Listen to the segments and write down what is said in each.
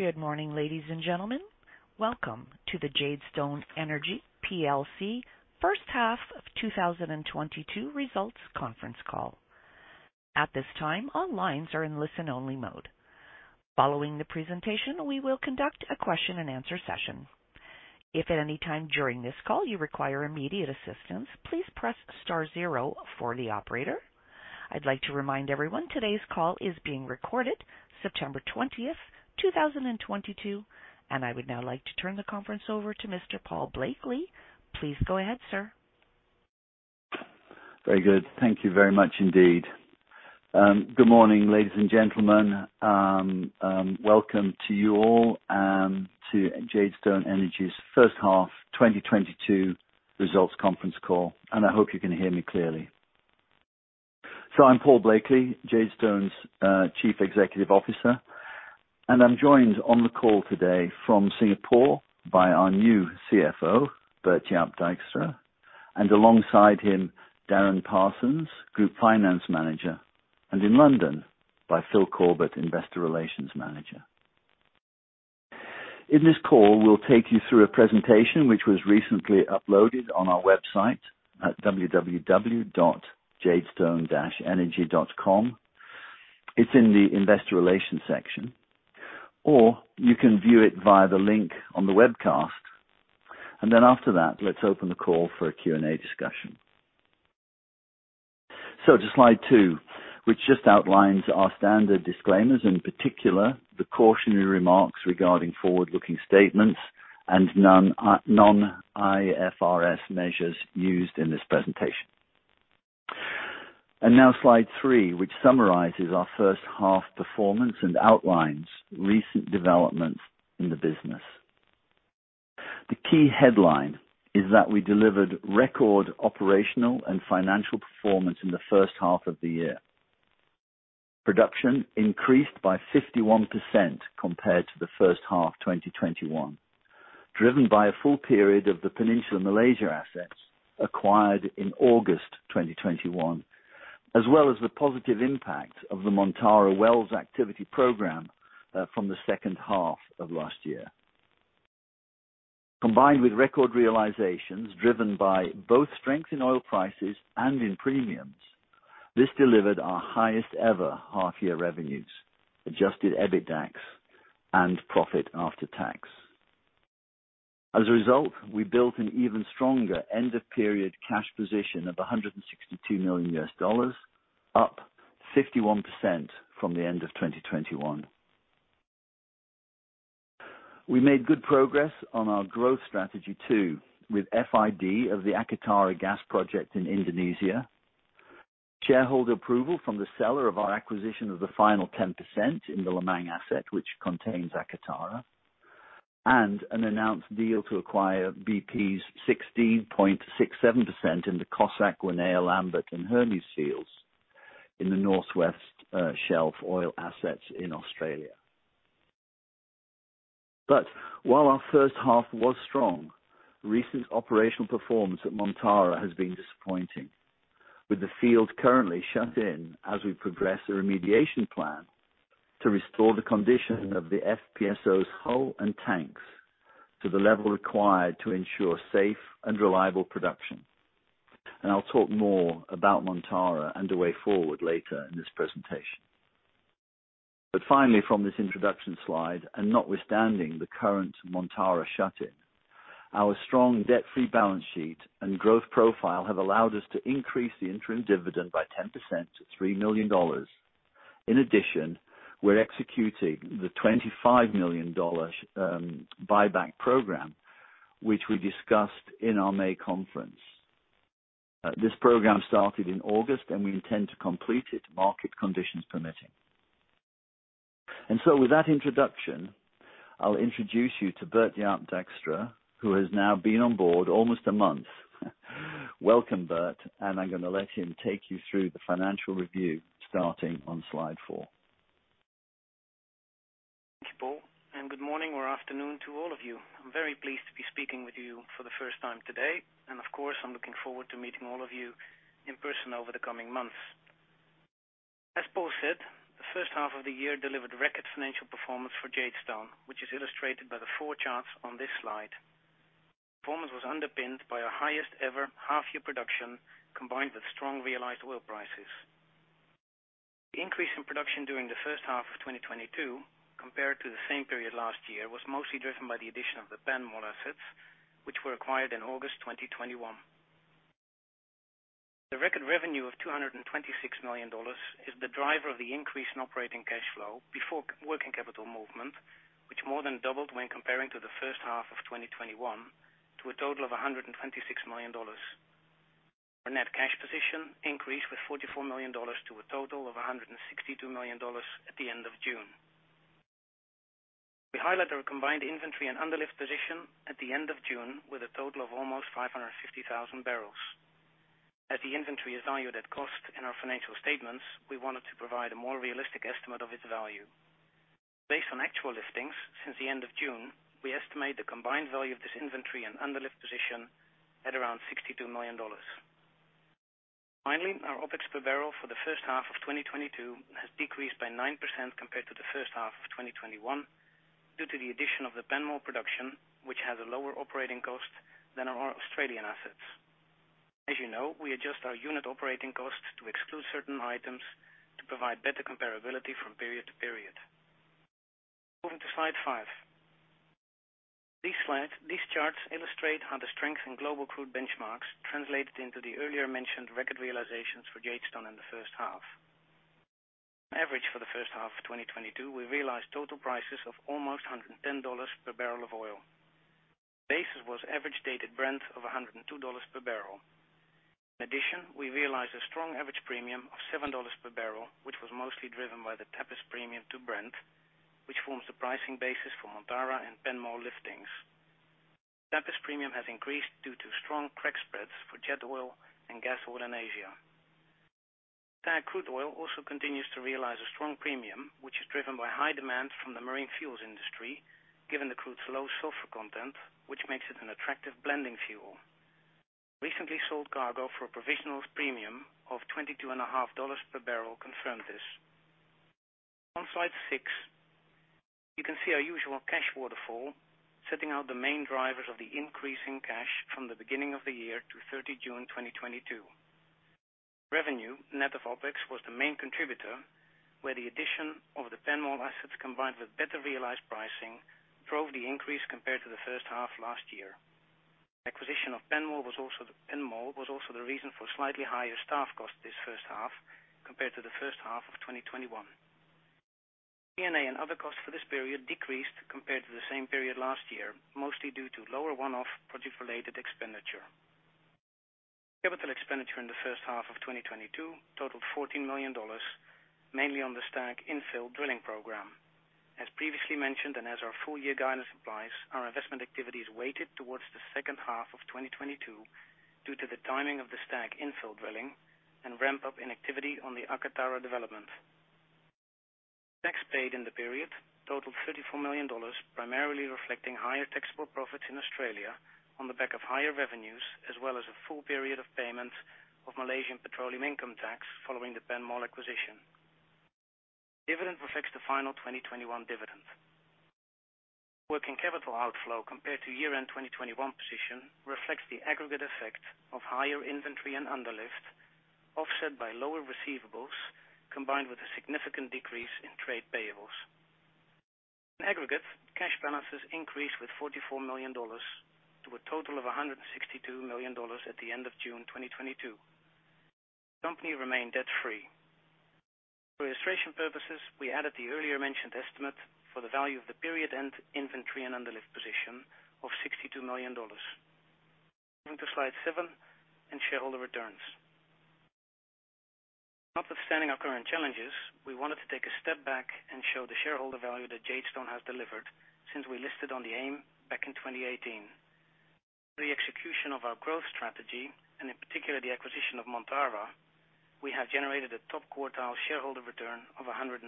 Good morning, ladies and gentlemen. Welcome to the Jadestone Energy plc first half of 2022 results conference call. At this time, all lines are in listen-only mode. Following the presentation, we will conduct a question and answer session. If at any time during this call you require immediate assistance, please press star zero for the operator. I'd like to remind everyone, today's call is being recorded September twentieth, 2022. I would now like to turn the conference over to Mr. Paul Blakeley. Please go ahead, sir. Very good. Thank you very much indeed. Good morning, ladies and gentlemen. Welcome to you all to Jadestone Energy's first half 2022 results conference call. I hope you can hear me clearly. I'm Paul Blakeley, Jadestone's Chief Executive Officer. I'm joined on the call today from Singapore by our new CFO, Bert-Jaap Dijkstra, and alongside him, Derren Parsons, Group Finance Manager. In London by Phil Corbett, Investor Relations Manager. In this call, we'll take you through a presentation which was recently uploaded on our website at www.jadestone-energy.com. It's in the investor relations section, or you can view it via the link on the webcast. Then after that, let's open the call for a Q&A discussion. To slide 2, which just outlines our standard disclaimers, in particular the cautionary remarks regarding forward-looking statements and non-IFRS measures used in this presentation. Now slide 3, which summarizes our first half performance and outlines recent developments in the business. The key headline is that we delivered record operational and financial performance in the first half of the year. Production increased by 51% compared to the first half 2021, driven by a full period of the Peninsular Malaysia assets acquired in August 2021, as well as the positive impact of the Montara Wells activity program from the second half of last year. Combined with record realizations driven by both strength in oil prices and in premiums, this delivered our highest ever half year revenues, adjusted EBITDAX and profit after tax. As a result, we built an even stronger end of period cash position of $162 million, up 51% from the end of 2021. We made good progress on our growth strategy too, with FID of the Akatara gas project in Indonesia. Shareholder approval from the seller of our acquisition of the final 10% in the Lemang asset, which contains Akatara. An announced deal to acquire BP's 16.67% in the Cossack, Wanaea, Lambert, and Hermes fields in the North West Shelf oil assets in Australia. While our first half was strong, recent operational performance at Montara has been disappointing. With the field currently shut in as we progress a remediation plan to restore the condition of the FPSO's hull and tanks to the level required to ensure safe and reliable production. I'll talk more about Montara and the way forward later in this presentation. Finally, from this introduction slide, and notwithstanding the current Montara shut-in, our strong debt-free balance sheet and growth profile have allowed us to increase the interim dividend by 10% to $3 million. In addition, we're executing the $25 million buyback program, which we discussed in our May conference. This program started in August, and we intend to complete it, market conditions permitting. With that introduction, I'll introduce you to Bert-Jaap Dijkstra, who has now been on board almost a month. Welcome, Bert, and I'm gonna let him take you through the financial review starting on slide 4. Thank you, Paul, and good morning or afternoon to all of you. I'm very pleased to be speaking with you for the first time today. Of course, I'm looking forward to meeting all of you in person over the coming months. As Paul said, the first half of the year delivered record financial performance for Jadestone, which is illustrated by the four charts on this slide. Performance was underpinned by our highest ever half year production, combined with strong realized oil prices. The increase in production during the first half of 2022 compared to the same period last year was mostly driven by the addition of the Penmore assets, which were acquired in August 2021. The record revenue of $226 million is the driver of the increase in operating cash flow before working capital movement, which more than doubled when comparing to the first half of 2021 to a total of $126 million. Our net cash position increased with $44 million to a total of $162 million at the end of June. We highlight our combined inventory and underlift position at the end of June with a total of almost 550,000 barrels. As the inventory is valued at cost in our financial statements, we wanted to provide a more realistic estimate of its value. Based on actual listings since the end of June, we estimate the combined value of this inventory and underlift position at around $62 million. Finally, our OPEX per barrel for the first half of 2022 has decreased by 9% compared to the first half of 2021 due to the addition of the Penmore production, which has a lower operating cost than our Australian assets. As you know, we adjust our unit operating costs to exclude certain items to provide better comparability from period to period. Moving to slide 5. These charts illustrate how the strength in global crude benchmarks translated into the earlier mentioned record realizations for Jadestone in the first half. On average, for the first half of 2022, we realized total prices of almost $110 per barrel of oil. Basis was average dated Brent of $102 per barrel. In addition, we realized a strong average premium of $7 per barrel, which was mostly driven by the Tapis premium to Brent, which forms the pricing basis for Montara and Penmore liftings. Tapis premium has increased due to strong crack spreads for jet oil and gas oil in Asia. Stag crude oil also continues to realize a strong premium, which is driven by high demand from the marine fuels industry, given the crude's low sulfur content, which makes it an attractive blending fuel. Recently sold cargo for a provisional premium of $22.5 per barrel confirmed this. On slide 6, you can see our usual cash waterfall setting out the main drivers of the increase in cash from the beginning of the year to 30 June 2022. Revenue net of OPEX was the main contributor, where the addition of the Penmore assets, combined with better realized pricing, drove the increase compared to the first half last year. Acquisition of Penmore was also the reason for slightly higher staff costs this first half compared to the first half of 2021. DD&A and other costs for this period decreased compared to the same period last year, mostly due to lower one-off project-related expenditure. Capital expenditure in the first half of 2022 totaled $14 million, mainly on the Stag infill drilling program. As previously mentioned, our full year guidance applies. Our investment activity is weighted towards the second half of 2022 due to the timing of the Stag infill drilling and ramp up in activity on the Akatara development. Tax paid in the period totaled $34 million, primarily reflecting higher taxable profits in Australia on the back of higher revenues, as well as a full period of payment of Malaysian petroleum income tax following the Penmore acquisition. Dividend reflects the final 2021 dividend. Working capital outflow compared to year-end 2021 position reflects the aggregate effect of higher inventory and underlift, offset by lower receivables, combined with a significant decrease in trade payables. In aggregate, cash balances increased with $44 million to a total of $162 million at the end of June 2022. Company remained debt-free. For illustration purposes, we added the earlier mentioned estimate for the value of the period and inventory and underlift position of $62 million. Going to slide 7 and shareholder returns. Notwithstanding our current challenges, we wanted to take a step back and show the shareholder value that Jadestone has delivered since we listed on the AIM back in 2018. The execution of our growth strategy, and in particular the acquisition of Montara, we have generated a top quartile shareholder return of 109%.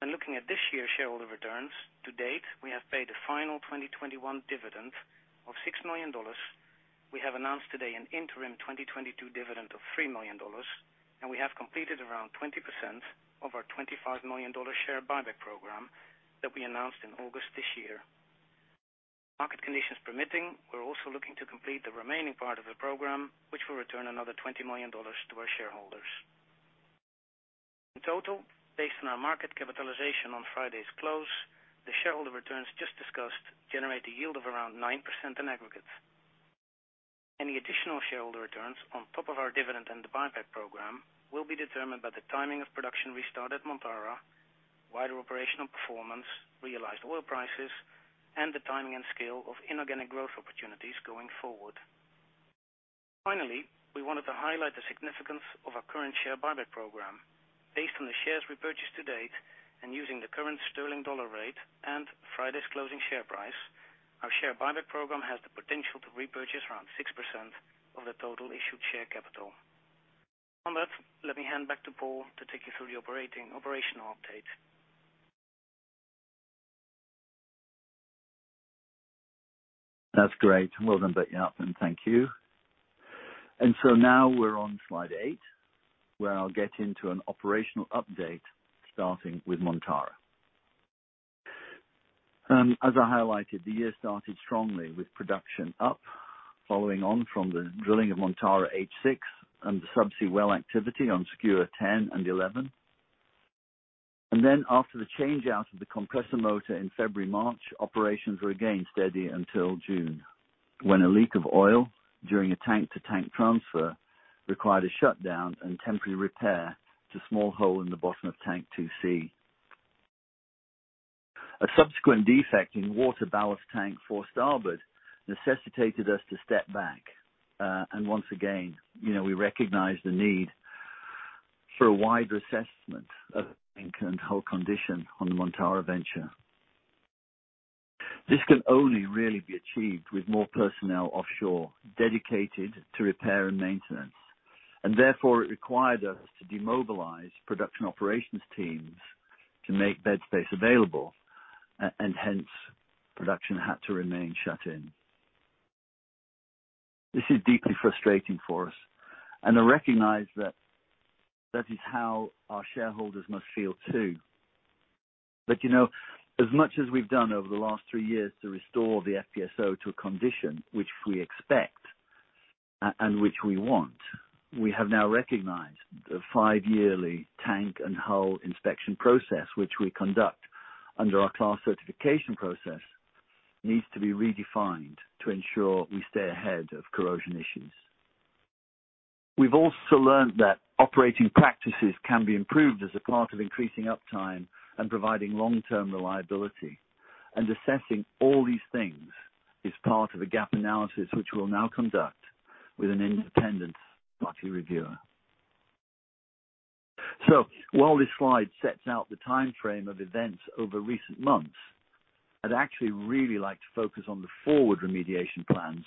When looking at this year's shareholder returns, to date, we have paid a final 2021 dividend of $6 million. We have announced today an interim 2022 dividend of $3 million, and we have completed around 20% of our $25 million share buyback program that we announced in August this year. Market conditions permitting, we're also looking to complete the remaining part of the program, which will return another $20 million to our shareholders. In total, based on our market capitalization on Friday's close, the shareholder returns just discussed generate a yield of around 9% in aggregate. Any additional shareholder returns on top of our dividend and the buyback program will be determined by the timing of production restart at Montara, wider operational performance, realized oil prices, and the timing and scale of inorganic growth opportunities going forward. Finally, we wanted to highlight the significance of our current share buyback program. Based on the shares repurchased to date and using the current sterling dollar rate and Friday's closing share price, our share buyback program has the potential to repurchase around 6% of the total issued share capital. On that, let me hand back to Paul to take you through the operational update. That's great. Well done, Bert-Jaap, and thank you. Now we're on slide 8, where I'll get into an operational update starting with Montara. As I highlighted, the year started strongly with production up, following on from the drilling of Montara H6 and the subsea well activity on Skua 10 and 11. After the change out of the compressor motor in February, March, operations were again steady until June, when a leak of oil during a tank-to-tank transfer required a shutdown and temporary repair to small hole in the bottom of Tank 2C. A subsequent defect in water ballast tank 4S necessitated us to step back, and once again, you know, we recognized the need for a wide reassessment of the current hull condition on the Montara Venture. This can only really be achieved with more personnel offshore dedicated to repair and maintenance. Therefore, it required us to demobilize production operations teams to make bed space available, and hence, production had to remain shut in. This is deeply frustrating for us, and I recognize that is how our shareholders must feel too. You know, as much as we've done over the last three years to restore the FPSO to a condition which we expect and which we want, we have now recognized the five-yearly tank and hull inspection process, which we conduct under our class certification process, needs to be redefined to ensure we stay ahead of corrosion issues. We've also learned that operating practices can be improved as a part of increasing uptime and providing long-term reliability. Assessing all these things is part of a gap analysis, which we'll now conduct with an independent party reviewer. While this slide sets out the timeframe of events over recent months, I'd actually really like to focus on the forward remediation plans,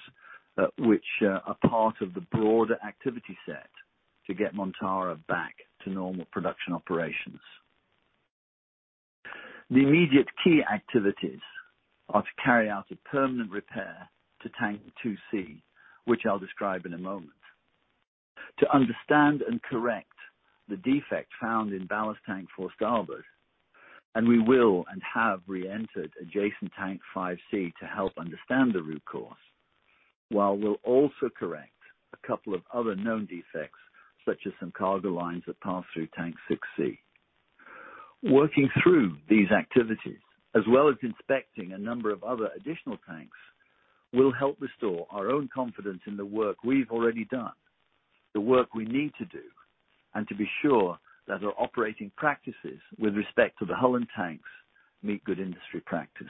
which are part of the broader activity set to get Montara back to normal production operations. The immediate key activities are to carry out a permanent repair to Tank 2C, which I'll describe in a moment. To understand and correct the defect found in ballast Tank 4S, and have reentered adjacent Tank 5C to help understand the root cause. While we'll also correct a couple of other known defects, such as some cargo lines that pass through Tank 6C. Working through these activities, as well as inspecting a number of other additional tanks, will help restore our own confidence in the work we've already done, the work we need to do, and to be sure that our operating practices with respect to the hull and tanks meet good industry practice.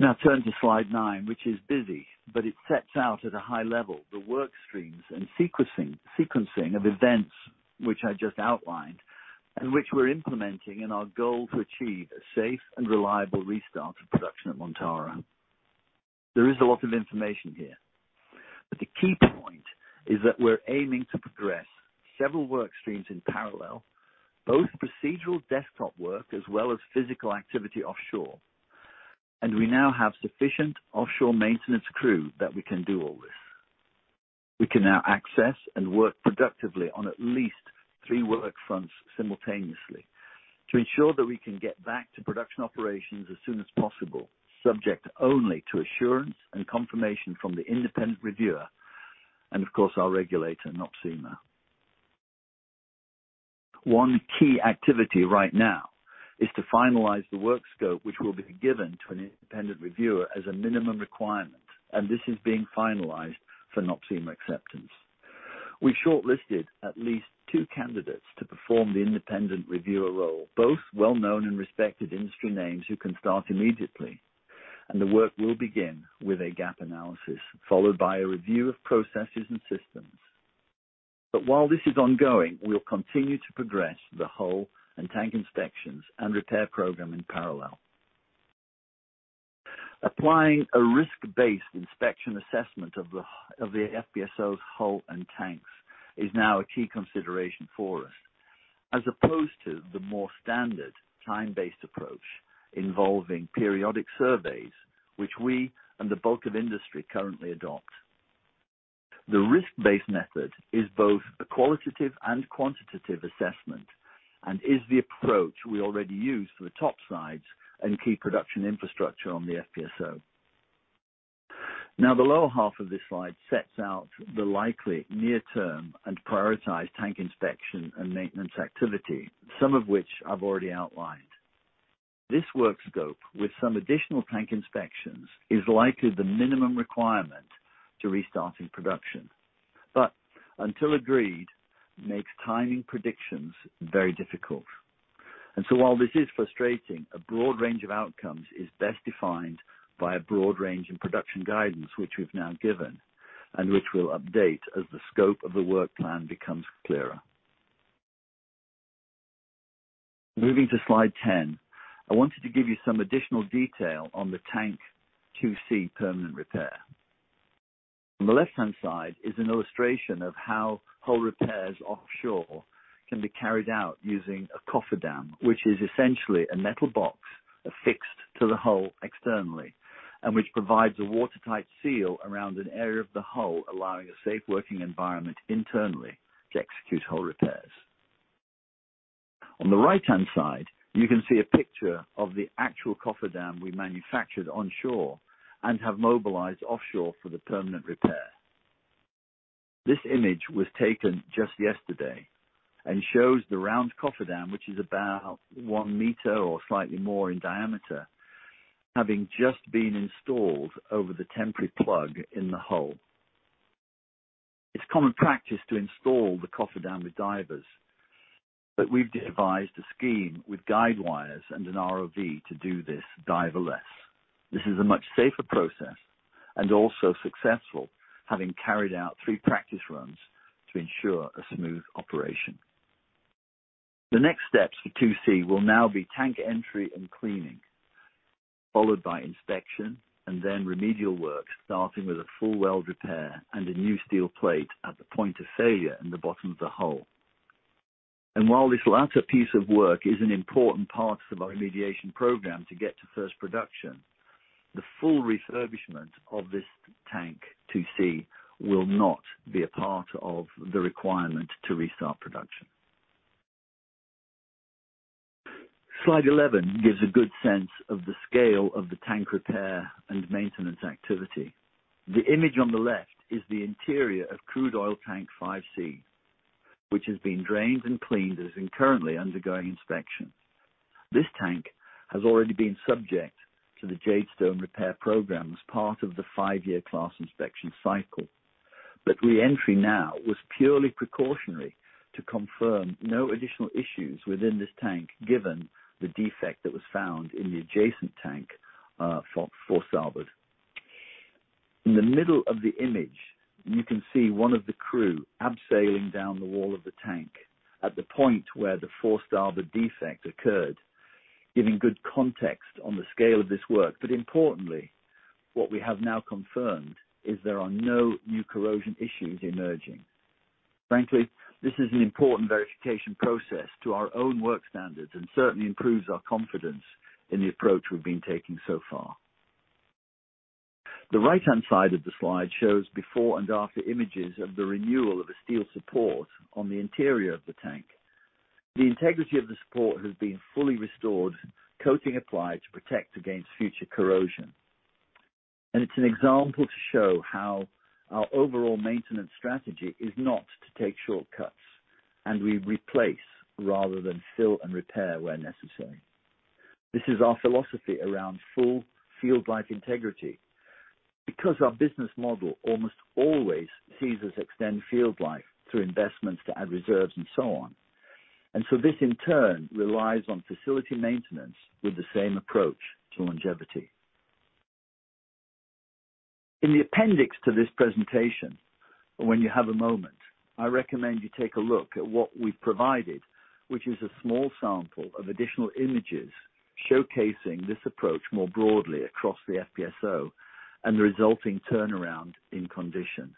Now turn to slide nine, which is busy, but it sets out at a high level the work streams and sequencing of events which I just outlined and which we're implementing in our goal to achieve a safe and reliable restart of production at Montara. There is a lot of information here, but the key point is that we're aiming to progress several work streams in parallel, both procedural desktop work as well as physical activity offshore. We now have sufficient offshore maintenance crew that we can do all this. We can now access and work productively on at least three work fronts simultaneously to ensure that we can get back to production operations as soon as possible, subject only to assurance and confirmation from the independent reviewer and of course our regulator, NOPSEMA. One key activity right now is to finalize the work scope, which will be given to an independent reviewer as a minimum requirement, and this is being finalized for NOPSEMA acceptance. We shortlisted at least two candidates to perform the independent reviewer role, both well-known and respected industry names who can start immediately. The work will begin with a gap analysis, followed by a review of processes and systems. While this is ongoing, we'll continue to progress the hull and tank inspections and repair program in parallel. Applying a risk-based inspection assessment of the FPSO's hull and tanks is now a key consideration for us. As opposed to the more standard time-based approach involving periodic surveys, which we and the bulk of industry currently adopt. The risk-based method is both a qualitative and quantitative assessment and is the approach we already use for the topsides and key production infrastructure on the FPSO. Now, the lower half of this slide sets out the likely near-term and prioritized tank inspection and maintenance activity, some of which I've already outlined. This work scope with some additional tank inspections is likely the minimum requirement to restarting production. Until agreed, makes timing predictions very difficult. While this is frustrating, a broad range of outcomes is best defined by a broad range in production guidance, which we've now given and which we'll update as the scope of the work plan becomes clearer. Moving to slide 10, I wanted to give you some additional detail on the tank 2C permanent repair. On the left-hand side is an illustration of how hull repairs offshore can be carried out using a cofferdam, which is essentially a metal box affixed to the hull externally, and which provides a watertight seal around an area of the hull, allowing a safe working environment internally to execute hull repairs. On the right-hand side, you can see a picture of the actual cofferdam we manufactured onshore and have mobilized offshore for the permanent repair. This image was taken just yesterday and shows the round cofferdam, which is about one meter or slightly more in diameter, having just been installed over the temporary plug in the hull. It's common practice to install the cofferdam with divers, but we've devised a scheme with guide wires and an ROV to do this diver-less. This is a much safer process and also successful, having carried out three practice runs to ensure a smooth operation. The next steps for tank 2C will now be tank entry and cleaning, followed by inspection and then remedial work, starting with a full weld repair and a new steel plate at the point of failure in the bottom of the hole. While this latter piece of work is an important part of our remediation program to get to first production, the full refurbishment of this tank 2C will not be a part of the requirement to restart production. Slide 11 gives a good sense of the scale of the tank repair and maintenance activity. The image on the left is the interior of crude oil tank 5C, which has been drained and cleaned and is currently undergoing inspection. This tank has already been subject to the Jadestone repair program as part of the five-year class inspection cycle. Re-entry now was purely precautionary to confirm no additional issues within this tank, given the defect that was found in the adjacent tank 4S. In the middle of the image, you can see one of the crew rappelling down the wall of the tank at the point where the 4S starboard defect occurred, giving good context on the scale of this work. Importantly, what we have now confirmed is there are no new corrosion issues emerging. Frankly, this is an important verification process to our own work standards and certainly improves our confidence in the approach we've been taking so far. The right-hand side of the slide shows before and after images of the renewal of a steel support on the interior of the tank. The integrity of the support has been fully restored, coating applied to protect against future corrosion. It's an example to show how our overall maintenance strategy is not to take shortcuts, and we replace rather than fill and repair where necessary. This is our philosophy around full field life integrity, because our business model almost always sees us extend field life through investments to add reserves and so on. This in turn relies on facility maintenance with the same approach to longevity. In the appendix to this presentation, when you have a moment, I recommend you take a look at what we've provided, which is a small sample of additional images showcasing this approach more broadly across the FPSO and the resulting turnaround in condition.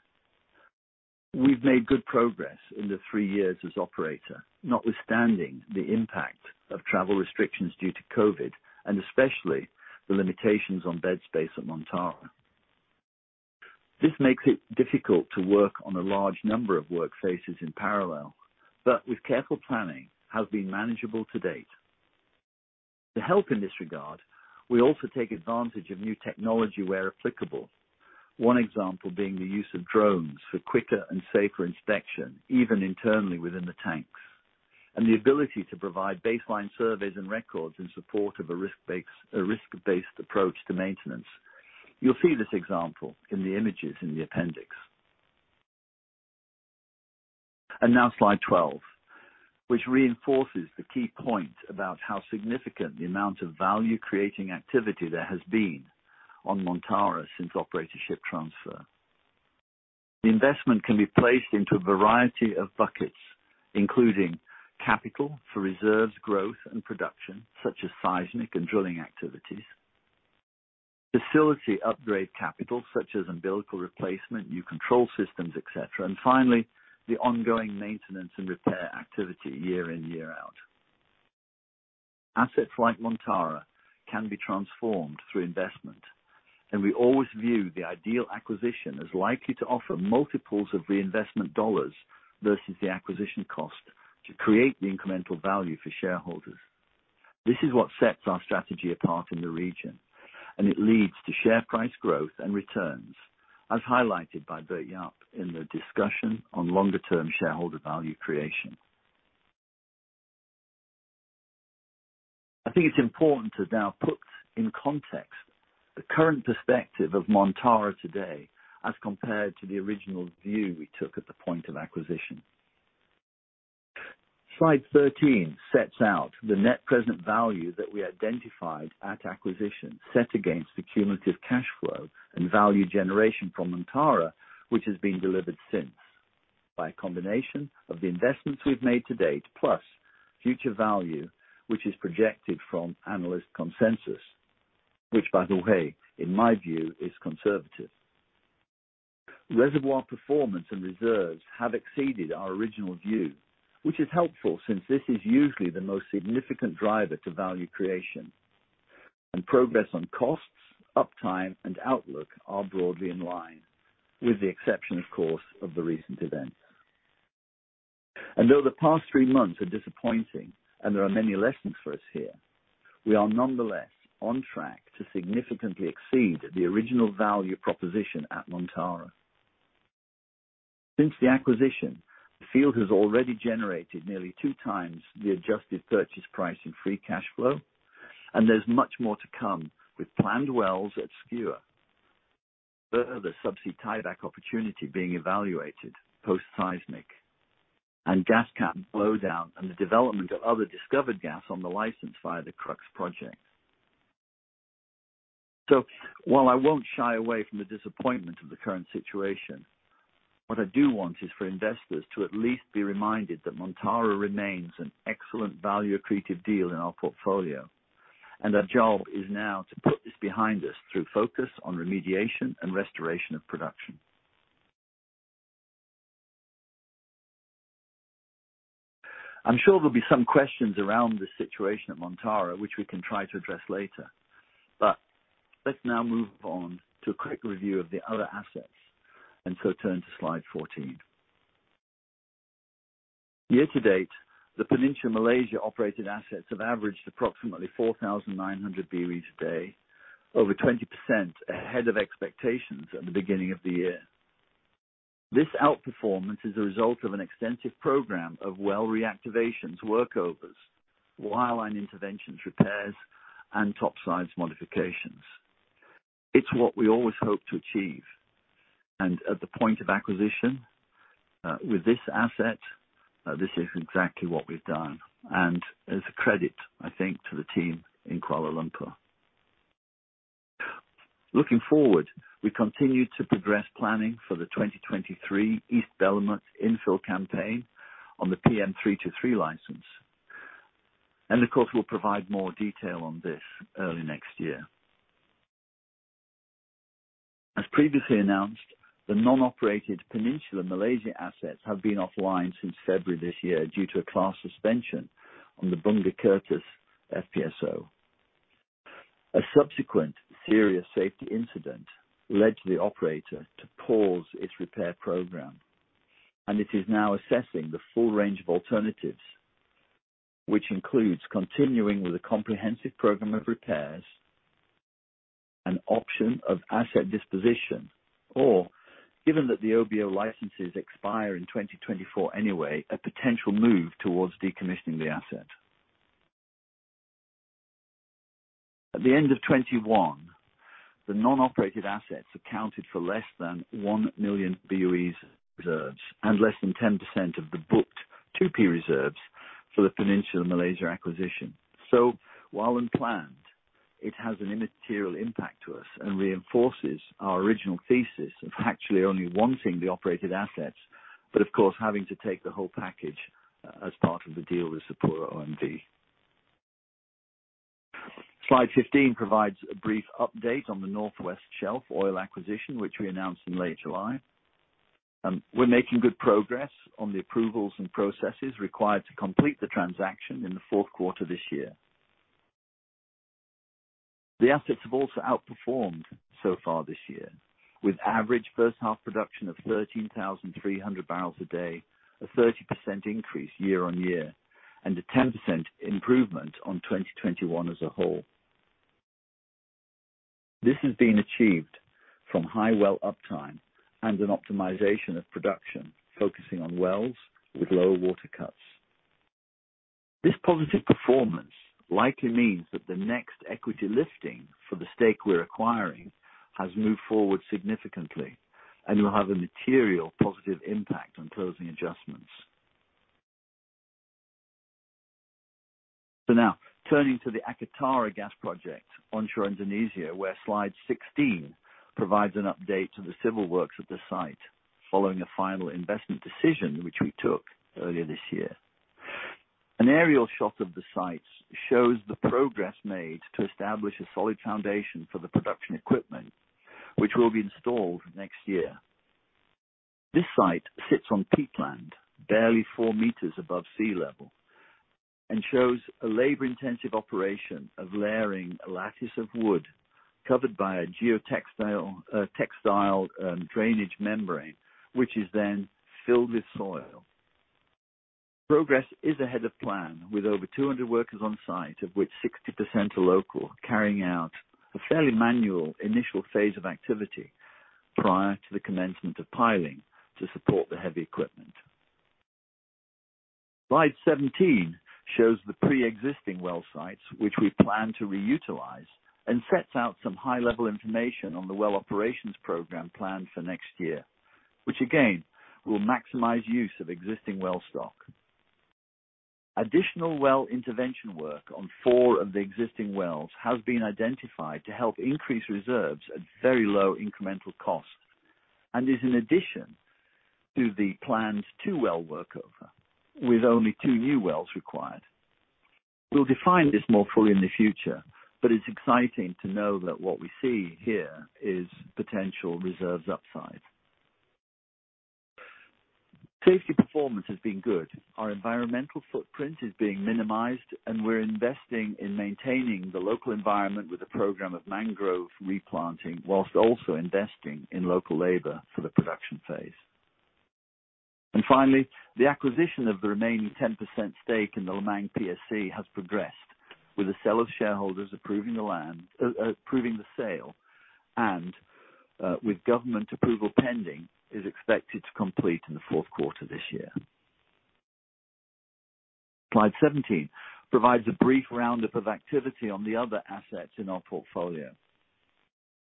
We've made good progress in the three years as operator, notwithstanding the impact of travel restrictions due to COVID, and especially the limitations on bed space at Montara. This makes it difficult to work on a large number of work phases in parallel, but with careful planning, has been manageable to date. To help in this regard, we also take advantage of new technology where applicable. One example being the use of drones for quicker and safer inspection, even internally within the tanks. The ability to provide baseline surveys and records in support of a risk-based approach to maintenance. You'll see this example in the images in the appendix. Now slide 12, which reinforces the key point about how significant the amount of value-creating activity there has been on Montara since operatorship transfer. The investment can be placed into a variety of buckets, including capital for reserves, growth and production, such as seismic and drilling activities. Facility upgrade capital such as umbilical replacement, new control systems, et cetera. Finally, the ongoing maintenance and repair activity year in, year out. Assets like Montara can be transformed through investment, and we always view the ideal acquisition as likely to offer multiples of reinvestment dollars versus the acquisition cost to create the incremental value for shareholders. This is what sets our strategy apart in the region, and it leads to share price growth and returns, as highlighted by Bert Yap in the discussion on longer term shareholder value creation. I think it's important to now put in context the current perspective of Montara today as compared to the original view we took at the point of acquisition. Slide 13 sets out the net present value that we identified at acquisition, set against the cumulative cash flow and value generation from Montara, which has been delivered since by a combination of the investments we've made to date, plus future value, which is projected from analyst consensus, which, by the way, in my view, is conservative. Reservoir performance and reserves have exceeded our original view, which is helpful since this is usually the most significant driver to value creation. Progress on costs, uptime, and outlook are broadly in line with the exception, of course, of the recent events. Though the past 3 months are disappointing and there are many lessons for us here, we are nonetheless on track to significantly exceed the original value proposition at Montara. Since the acquisition, the field has already generated nearly 2 times the adjusted purchase price in free cash flow, and there's much more to come with planned wells at Skua. Further subsea tieback opportunity being evaluated post seismic and gas cap blowdown and the development of other discovered gas on the license via the Crux project. While I won't shy away from the disappointment of the current situation, what I do want is for investors to at least be reminded that Montara remains an excellent value accretive deal in our portfolio. Our job is now to put this behind us through focus on remediation and restoration of production. I'm sure there'll be some questions around this situation at Montara, which we can try to address later. Let's now move on to a quick review of the other assets. Turn to slide 14. Year to date, the Peninsular Malaysia operated assets have averaged approximately 4,900 BOEs a day, over 20% ahead of expectations at the beginning of the year. This outperformance is a result of an extensive program of well reactivations, workovers, well interventions, repairs, and topside modifications. It's what we always hope to achieve. At the point of acquisition, with this asset, this is exactly what we've done. As a credit, I think to the team in Kuala Lumpur. Looking forward, we continue to progress planning for the 2023 East Belumut infill campaign on the PM-323 license. Of course, we'll provide more detail on this early next year. As previously announced, the non-operated Peninsular Malaysia assets have been offline since February this year due to a class suspension on the Bunga Kertas FPSO. A subsequent serious safety incident led the operator to pause its repair program, and it is now assessing the full range of alternatives, which includes continuing with a comprehensive program of repairs, an option of asset disposition, or given that the OBO licenses expire in 2024 anyway, a potential move towards decommissioning the asset. At the end of 2021, the non-operated assets accounted for less than 1 million BOEs reserves and less than 10% of the booked 2P reserves for the Peninsular Malaysia acquisition. While unplanned, it has an immaterial impact to us and reinforces our original thesis of actually only wanting the operated assets, but of course having to take the whole package as part of the deal with SapuraOMV. Slide 15 provides a brief update on the North West Shelf oil acquisition, which we announced in late July. We're making good progress on the approvals and processes required to complete the transaction in the fourth quarter this year. The assets have also outperformed so far this year, with average first half production of 13,300 barrels a day, a 30% increase year-on-year, and a 10% improvement on 2021 as a whole. This has been achieved from high well uptime and an optimization of production, focusing on wells with low water cuts. This positive performance likely means that the next equity lifting for the stake we're acquiring has moved forward significantly and will have a material positive impact on closing adjustments. Now turning to the Akatara gas project onshore Indonesia, where slide 16 provides an update to the civil works at the site following a final investment decision which we took earlier this year. An aerial shot of the sites shows the progress made to establish a solid foundation for the production equipment which will be installed next year. This site sits on peatland barely 4 meters above sea level and shows a labor-intensive operation of layering a lattice of wood covered by a geotextile drainage membrane, which is then filled with soil. Progress is ahead of plan with over 200 workers on site, of which 60% are local, carrying out a fairly manual initial phase of activity prior to the commencement of piling to support the heavy equipment. Slide 17 shows the pre-existing well sites, which we plan to reutilize and sets out some high-level information on the well operations program planned for next year, which again, will maximize use of existing well stock. Additional well intervention work on four of the existing wells has been identified to help increase reserves at very low incremental cost and is an addition to the planned two well workover, with only two new wells required. We'll define this more fully in the future, but it's exciting to know that what we see here is potential reserves upside. Safety performance has been good. Our environmental footprint is being minimized, and we're investing in maintaining the local environment with a program of mangrove replanting, while also investing in local labor for the production phase. Finally, the acquisition of the remaining 10% stake in the Lemang PSC has progressed with the selling shareholders approving the sale and, with government approval pending, is expected to complete in the fourth quarter this year. Slide 17 provides a brief roundup of activity on the other assets in our portfolio.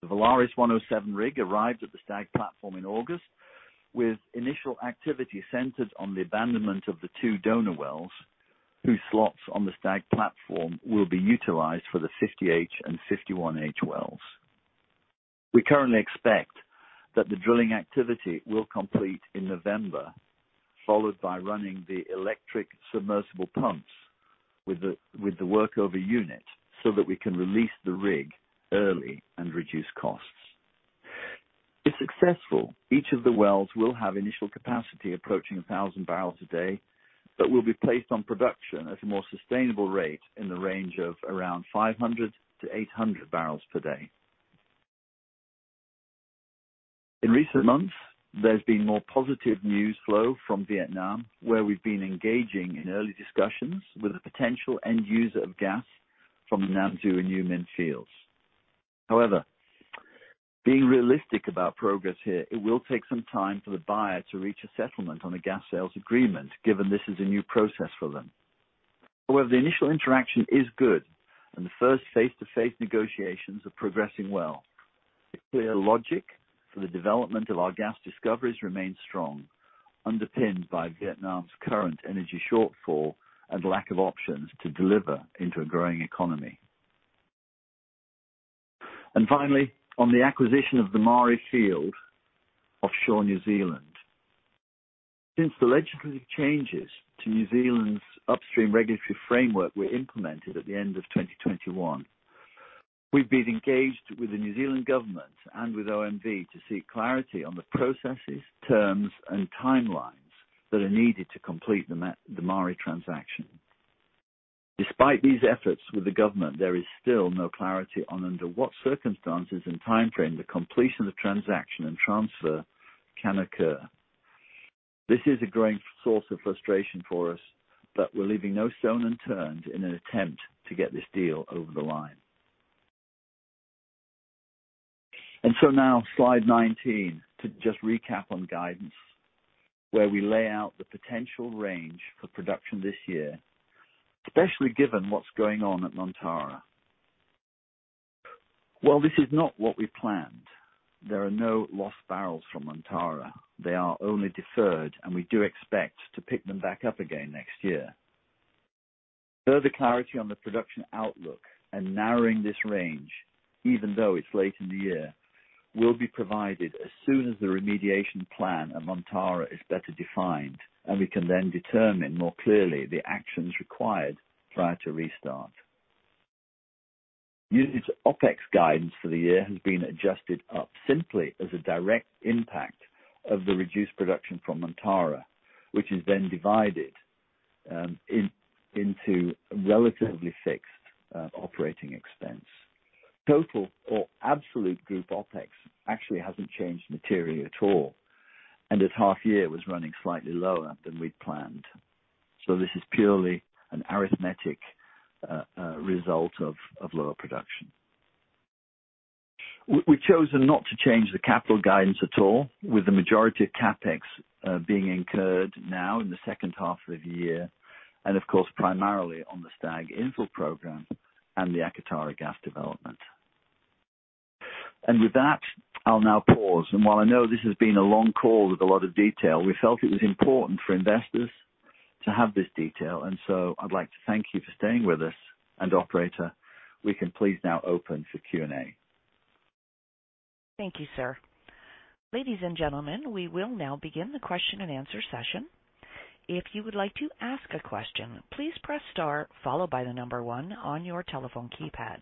The Valaris 107 rig arrived at the Stag platform in August. With initial activity centered on the abandonment of the 2 donor wells, whose slots on the Stag platform will be utilized for the 50H and 51H wells. We currently expect that the drilling activity will complete in November, followed by running the electric submersible pumps with the work over unit so that we can release the rig early and reduce costs. If successful, each of the wells will have initial capacity approaching 1,000 barrels a day, but will be placed on production at a more sustainable rate in the range of around 500-800 barrels per day. In recent months, there's been more positive news flow from Vietnam, where we've been engaging in early discussions with a potential end user of gas from the Nam Du and U Minh fields. However, being realistic about progress here, it will take some time for the buyer to reach a settlement on a gas sales agreement, given this is a new process for them. However, the initial interaction is good and the first face-to-face negotiations are progressing well. The clear logic for the development of our gas discoveries remains strong, underpinned by Vietnam's current energy shortfall and lack of options to deliver into a growing economy. Finally, on the acquisition of the Maari field offshore New Zealand. Since the legislative changes to New Zealand's upstream regulatory framework were implemented at the end of 2021, we've been engaged with the New Zealand Government and with OMV to seek clarity on the processes, terms, and timelines that are needed to complete the Maari transaction. Despite these efforts with the government, there is still no clarity on under what circumstances and timeframe the completion of the transaction and transfer can occur. This is a growing source of frustration for us, but we're leaving no stone unturned in an attempt to get this deal over the line. Now slide 19. To just recap on guidance, where we lay out the potential range for production this year, especially given what's going on at Montara. While this is not what we planned, there are no lost barrels from Montara. They are only deferred, and we do expect to pick them back up again next year. Further clarity on the production outlook and narrowing this range, even though it's late in the year, will be provided as soon as the remediation plan at Montara is better defined, and we can then determine more clearly the actions required prior to restart. Unit's OpEx guidance for the year has been adjusted up simply as a direct impact of the reduced production from Montara, which is then divided into relatively fixed operating expense. Total or absolute group OpEx actually hasn't changed materially at all, and at half year was running slightly lower than we'd planned. This is purely an arithmetic result of lower production. We've chosen not to change the capital guidance at all, with the majority of CapEx being incurred now in the second half of the year, and of course, primarily on the Stag infill program and the Akatara gas development. With that, I'll now pause. While I know this has been a long call with a lot of detail, we felt it was important for investors to have this detail, and so I'd like to thank you for staying with us. Operator, we can please now open for Q&A. Thank you, sir. Ladies and gentlemen, we will now begin the question and answer session. If you would like to ask a question, please press star followed by the number one on your telephone keypad.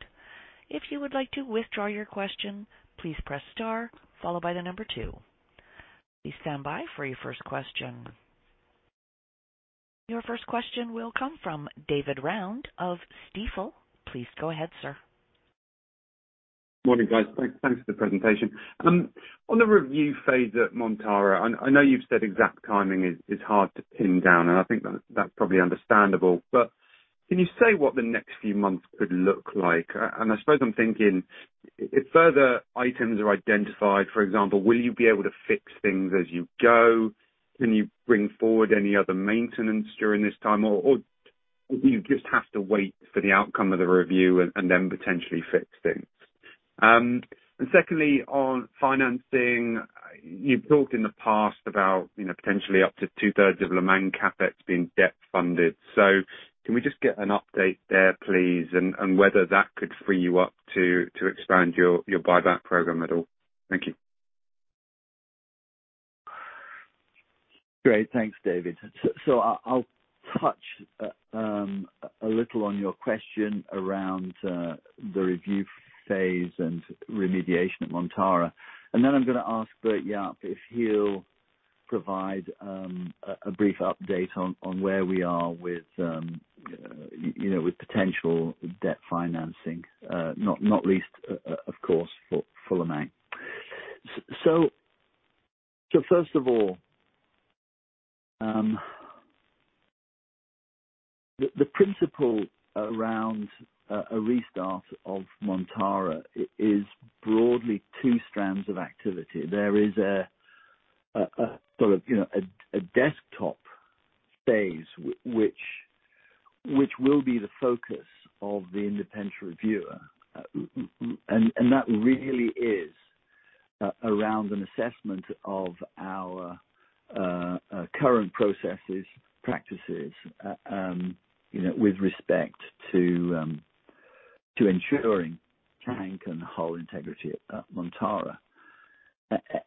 If you would like to withdraw your question, please press star followed by the number two. Please stand by for your first question. Your first question will come from David Round of Stifel. Please go ahead, sir. Morning, guys. Thanks for the presentation. On the review phase at Montara, I know you've said exact timing is hard to pin down, and I think that's probably understandable. Can you say what the next few months could look like? I suppose I'm thinking if further items are identified, for example, will you be able to fix things as you go. Can you bring forward any other maintenance during this time? Or do you just have to wait for the outcome of the review and then potentially fix things? Secondly, on financing, you've talked in the past about, you know, potentially up to two-thirds of Lemang CapEx being debt funded. Can we just get an update there, please? Whether that could free you up to expand your buyback program at all. Thank you. Great. Thanks, David. I'll touch a little on your question around the review phase and remediation at Montara. I'm gonna ask Bert-Jaap if he'll provide a brief update on where we are with, you know, with potential debt financing. Not least of course, for the Lemang. First of all, the principal around a restart of Montara is broadly two strands of activity. There is a sort of, you know, a desktop phase which will be the focus of the independent reviewer. And that really is around an assessment of our current processes, practices. You know, with respect to ensuring tank and hull integrity at Montara.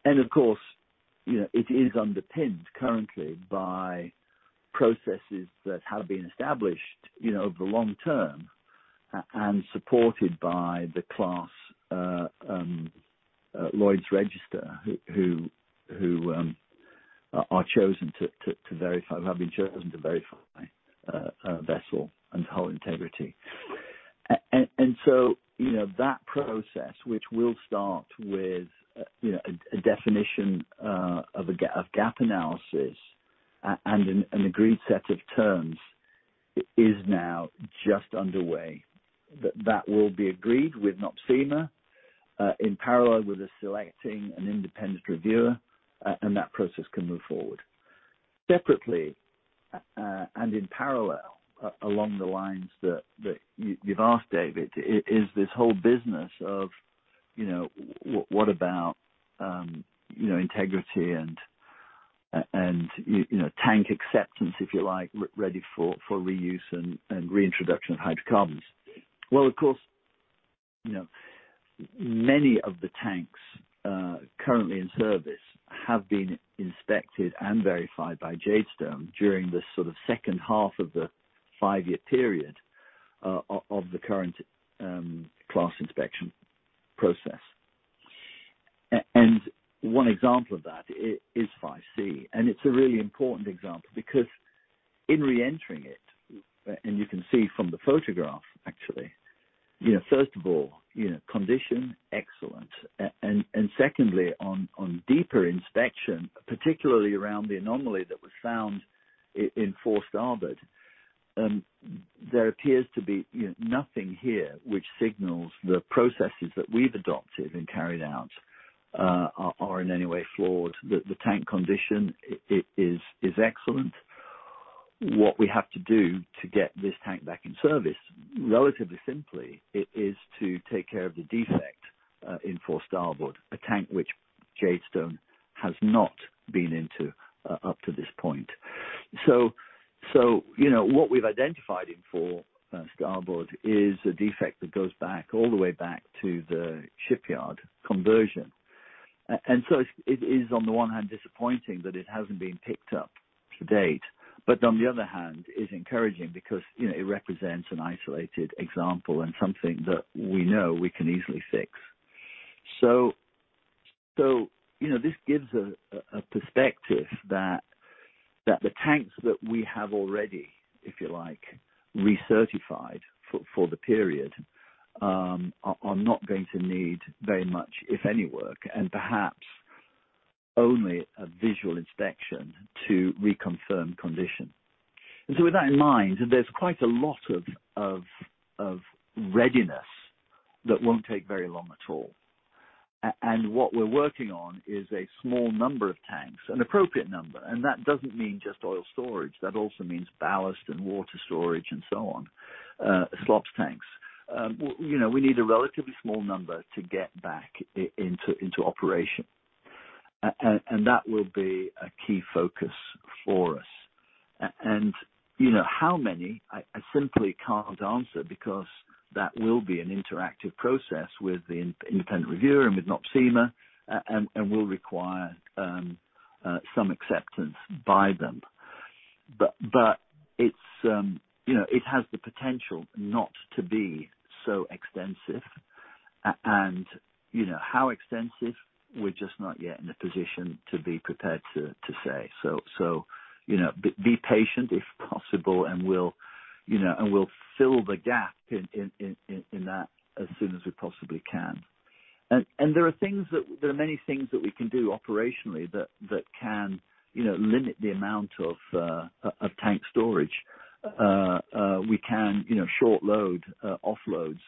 Of course, you know, it is underpinned currently by processes that have been established, you know, over the long term and supported by the Class, Lloyd's Register, who have been chosen to verify vessel and hull integrity. You know, that process, which we'll start with, you know, a definition of a gap analysis and an agreed set of terms, is now just underway. That will be agreed with NOPSEMA, in parallel with us selecting an independent reviewer, and that process can move forward. Separately, and in parallel along the lines that you've asked, David, is this whole business of, you know, what about, you know, integrity and you know, tank acceptance, if you like, ready for reuse and reintroduction of hydrocarbons. Well, of course, you know, many of the tanks currently in service have been inspected and verified by Jadestone during this sort of second half of the 5-year period of the current class inspection process. One example of that is 5C, and it's a really important example because in reentering it, and you can see from the photograph actually, you know, first of all, you know, condition excellent. Secondly, on deeper inspection, particularly around the anomaly that was found in 4S starboard, there appears to be, you know, nothing here which signals the processes that we've adopted and carried out are in any way flawed. The tank condition is excellent. What we have to do to get this tank back in service, relatively simply, is to take care of the defect in 4S starboard, a tank which Jadestone has not been into up to this point. You know, what we've identified in 4S starboard is a defect that goes back all the way back to the shipyard conversion. It is on the one hand disappointing that it hasn't been picked up to date. On the other hand, it's encouraging because, you know, it represents an isolated example and something that we know we can easily fix. You know, this gives a perspective that the tanks that we have already, if you like, recertified for the period, are not going to need very much, if any, work and perhaps only a visual inspection to reconfirm condition. With that in mind, there's quite a lot of readiness that won't take very long at all. What we're working on is a small number of tanks, an appropriate number. That doesn't mean just oil storage. That also means ballast and water storage and so on. Slops tanks. You know, we need a relatively small number to get back into operation. That will be a key focus for us. You know how many, I simply can't answer because that will be an interactive process with the independent reviewer and with NOPSEMA, and will require some acceptance by them. It's, you know, it has the potential not to be so extensive. You know how extensive, we're just not yet in a position to be prepared to say. You know, be patient if possible and we'll, you know, and we'll fill the gap in that as soon as we possibly can. There are many things that we can do operationally that can, you know, limit the amount of of tank storage. We can, you know, short load offloads.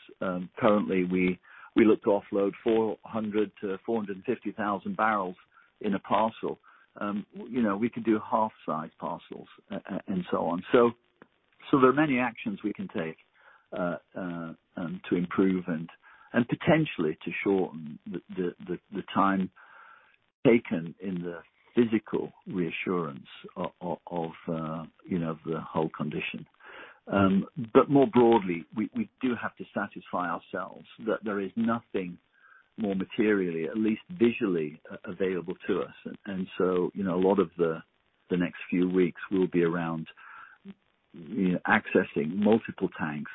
Currently we look to offload 400,000-450,000 barrels in a parcel. You know, we could do half size parcels and so on. There are many actions we can take to improve and potentially to shorten the time taken in the physical reassurance of the hull condition. You know, more broadly, we do have to satisfy ourselves that there is nothing more materially, at least visually available to us. You know, a lot of the next few weeks will be around accessing multiple tanks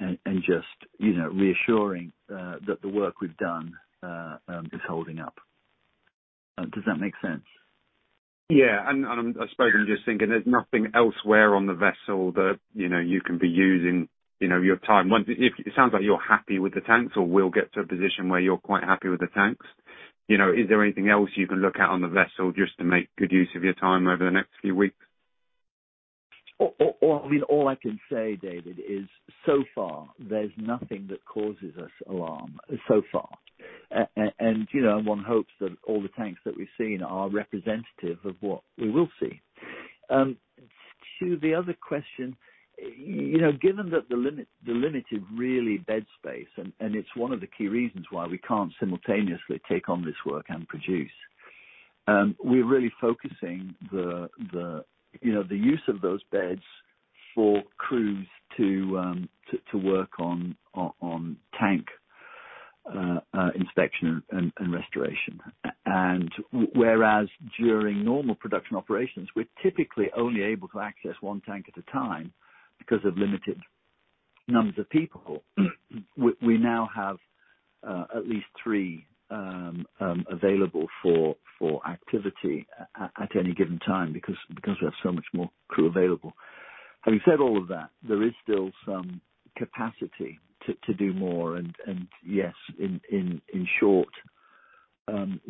and just reassuring that the work we've done is holding up. Does that make sense? I suppose I'm just thinking there's nothing elsewhere on the vessel that, you know, you can be using, you know, your time. Once, if it sounds like you're happy with the tanks or will get to a position where you're quite happy with the tanks, you know, is there anything else you can look at on the vessel just to make good use of your time over the next few weeks? All, I mean, all I can say, David, is so far there's nothing that causes us alarm, so far. You know, one hopes that all the tanks that we've seen are representative of what we will see. To the other question, you know, given that the limited bed space, and it's one of the key reasons why we can't simultaneously take on this work and produce, we're really focusing the use of those beds for crews to work on tank inspection and restoration. Whereas during normal production operations, we're typically only able to access one tank at a time because of limited numbers of people. We now have at least three available for activity at any given time because we have so much more crew available. Having said all of that, there is still some capacity to do more. Yes, in short,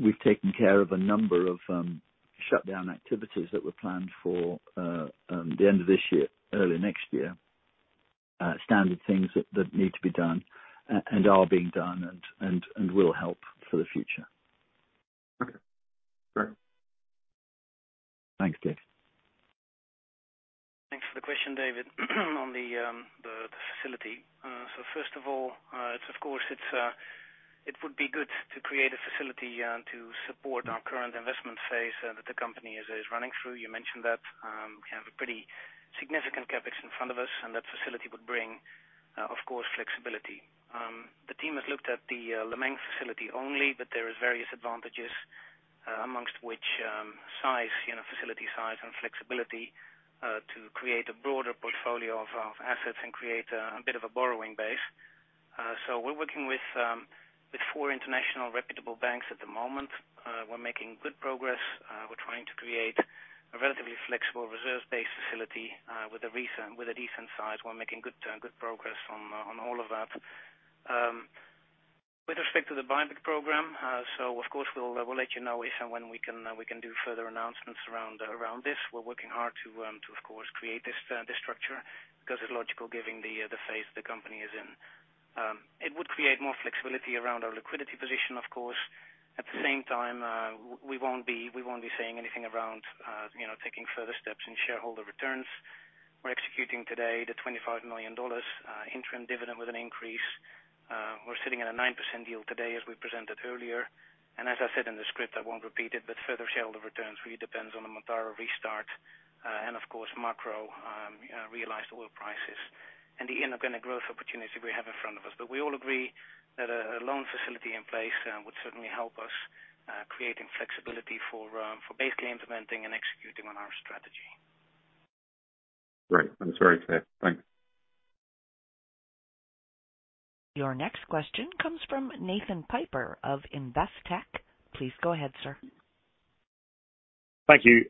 we've taken care of a number of shutdown activities that were planned for the end of this year, early next year, standard things that need to be done and are being done and will help for the future. Okay, great. Thanks, David. Thanks for the question, David, on the facility. First of all, it's of course, it would be good to create a facility to support our current investment phase that the company is running through. You mentioned that we have a pretty significant CapEx in front of us, and that facility would bring, of course, flexibility. The team has looked at the Lemang facility only, but there are various advantages, among which, size, you know, facility size and flexibility to create a broader portfolio of assets and create a bit of a borrowing base. We're working with 4 international reputable banks at the moment. We're making good progress. We're trying to create a relatively flexible reserves-based facility with a decent size. We're making good progress on all of that. With respect to the buyback program, of course we'll let you know if and when we can do further announcements around this. We're working hard to, of course, create this structure because it's logical given the phase the company is in. It would create more flexibility around our liquidity position, of course. At the same time, we won't be saying anything around, you know, taking further steps in shareholder returns. We're executing today the $25 million interim dividend with an increase. We're sitting at a 9% yield today as we presented earlier. As I said in the script, I won't repeat it, but further shareholder returns really depends on the Montara restart, and of course, macro, realized oil prices and the inorganic growth opportunities we have in front of us. We all agree that a loan facility in place would certainly help us, creating flexibility for basically implementing and executing on our strategy. Great. That's very clear. Thanks. Your next question comes from Nathan Piper of Investec. Please go ahead, sir. Thank you.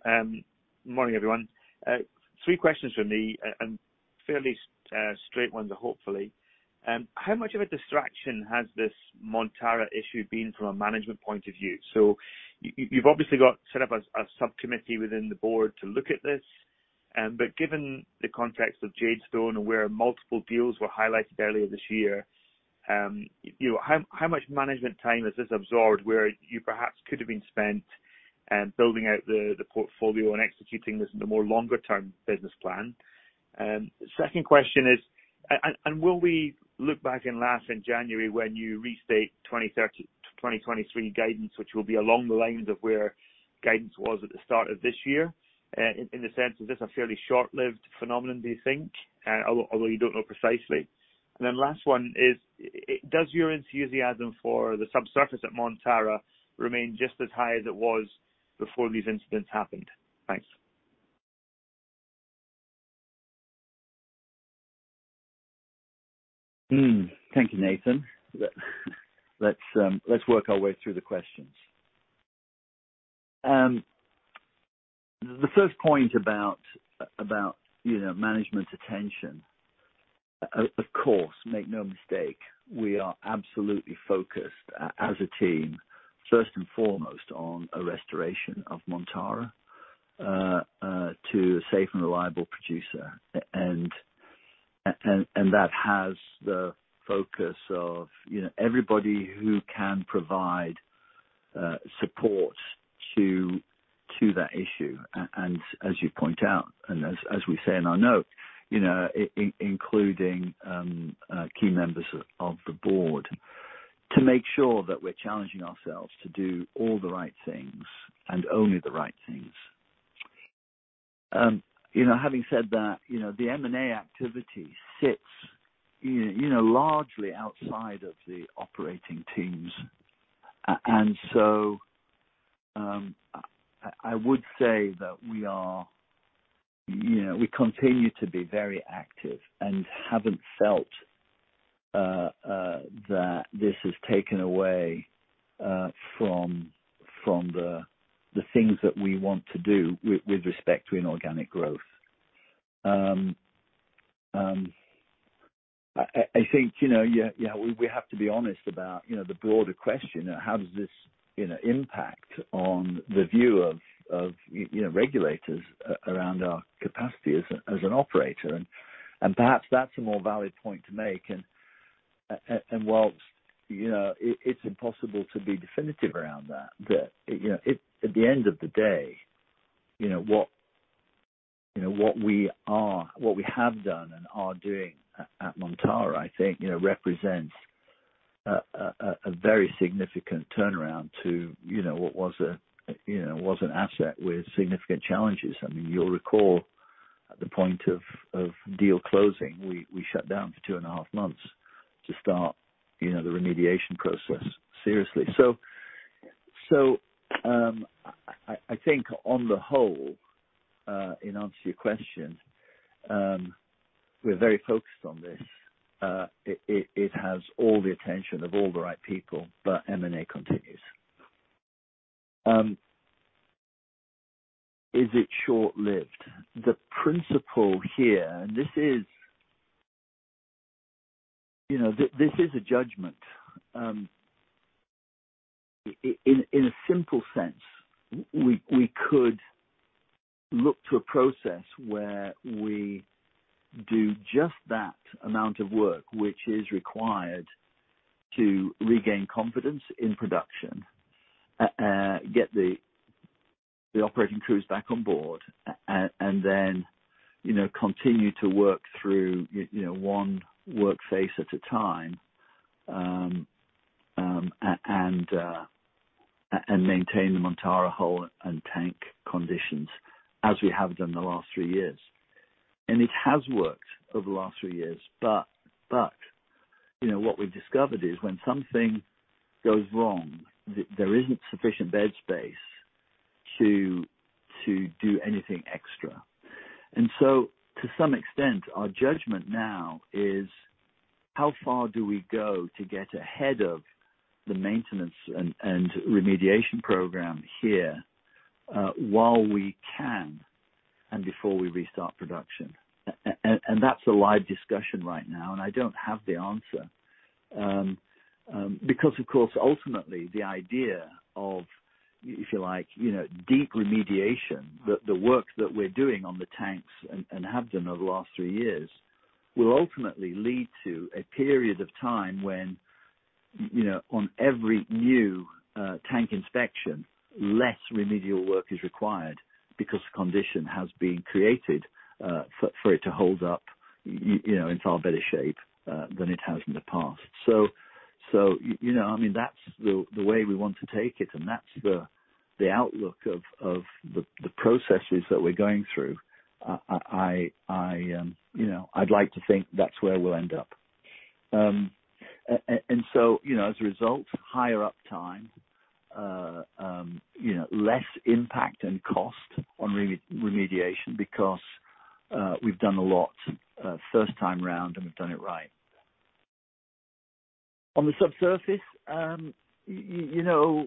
Morning, everyone. Three questions from me and fairly straight ones, hopefully. How much of a distraction has this Montara issue been from a management point of view? You've obviously set up a subcommittee within the board to look at this. But given the context of Jadestone and where multiple deals were highlighted earlier this year, you know, how much management time has this absorbed, where you perhaps could have been spent building out the portfolio and executing this in the more longer term business plan? Second question is, and will we look back and laugh in January when you restate 2023 guidance, which will be along the lines of where guidance was at the start of this year? In the sense, is this a fairly short-lived phenomenon, do you think? Although you don't know precisely. Then last one is, does your enthusiasm for the subsurface at Montara remain just as high as it was before these incidents happened? Thanks. Thank you, Nathan. Let's work our way through the questions. The first point about management's attention, of course, make no mistake, we are absolutely focused as a team, first and foremost, on a restoration of Montara to a safe and reliable producer. That has the focus of, you know, everybody who can provide support to that issue. As you point out, and as we say in our note, you know, including key members of the board to make sure that we're challenging ourselves to do all the right things and only the right things. You know, having said that, you know, the M&A activity sits, you know, largely outside of the operating teams. I would say that we are, you know, we continue to be very active and haven't felt that this has taken away from the things that we want to do with respect to inorganic growth. I think, you know, yeah, we have to be honest about, you know, the broader question of how does this, you know, impact on the view of you know regulators around our capacity as an operator. Perhaps that's a more valid point to make. While, you know, it's impossible to be definitive around that. At the end of the day, you know, what we are, what we have done and are doing at Montara, I think, you know, represents a very significant turnaround to, you know, what was an asset with significant challenges. I mean, you'll recall at the point of deal closing, we shut down for two and a half months to start, you know, the remediation process seriously. I think on the whole, in answer to your question, we're very focused on this. It has all the attention of all the right people, but M&A continues. Is it short-lived? The principle here, you know, this is a judgment. In a simple sense, we could look to a process where we do just that amount of work which is required to regain confidence in production, get the operating crews back on board and then, you know, continue to work through, you know, one work face at a time. And maintain the Montara hull and tank conditions as we have done the last three years. It has worked over the last three years. But, you know, what we've discovered is when something goes wrong, there isn't sufficient berth space to do anything extra. To some extent, our judgment now is how far do we go to get ahead of the maintenance and remediation program here, while we can and before we restart production. That's a live discussion right now, and I don't have the answer. Because of course, ultimately, the idea of, if you like, you know, deep remediation, the work that we're doing on the tanks and have done over the last three years, will ultimately lead to a period of time when, you know, on every new tank inspection, less remedial work is required because condition has been created for it to hold up, you know, in far better shape than it has in the past. You know, I mean, that's the way we want to take it, and that's the outlook of the processes that we're going through. You know, I'd like to think that's where we'll end up. As a result, you know, higher uptime, less impact and cost on remediation because we've done a lot first time around, and we've done it right. On the subsurface, you know,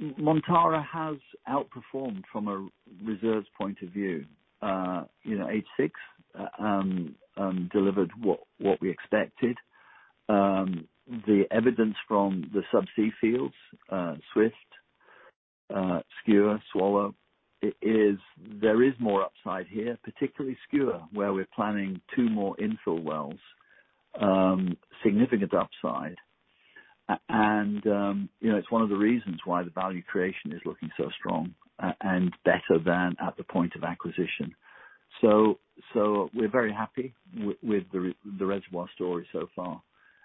Montara has outperformed from a reserves point of view. You know, H6 delivered what we expected. The evidence from the subsea fields, Swift, Skua, Swallow, there is more upside here, particularly Skua, where we're planning two more infill wells, significant upside. You know, it's one of the reasons why the value creation is looking so strong and better than at the point of acquisition. We're very happy with the reservoir story so far.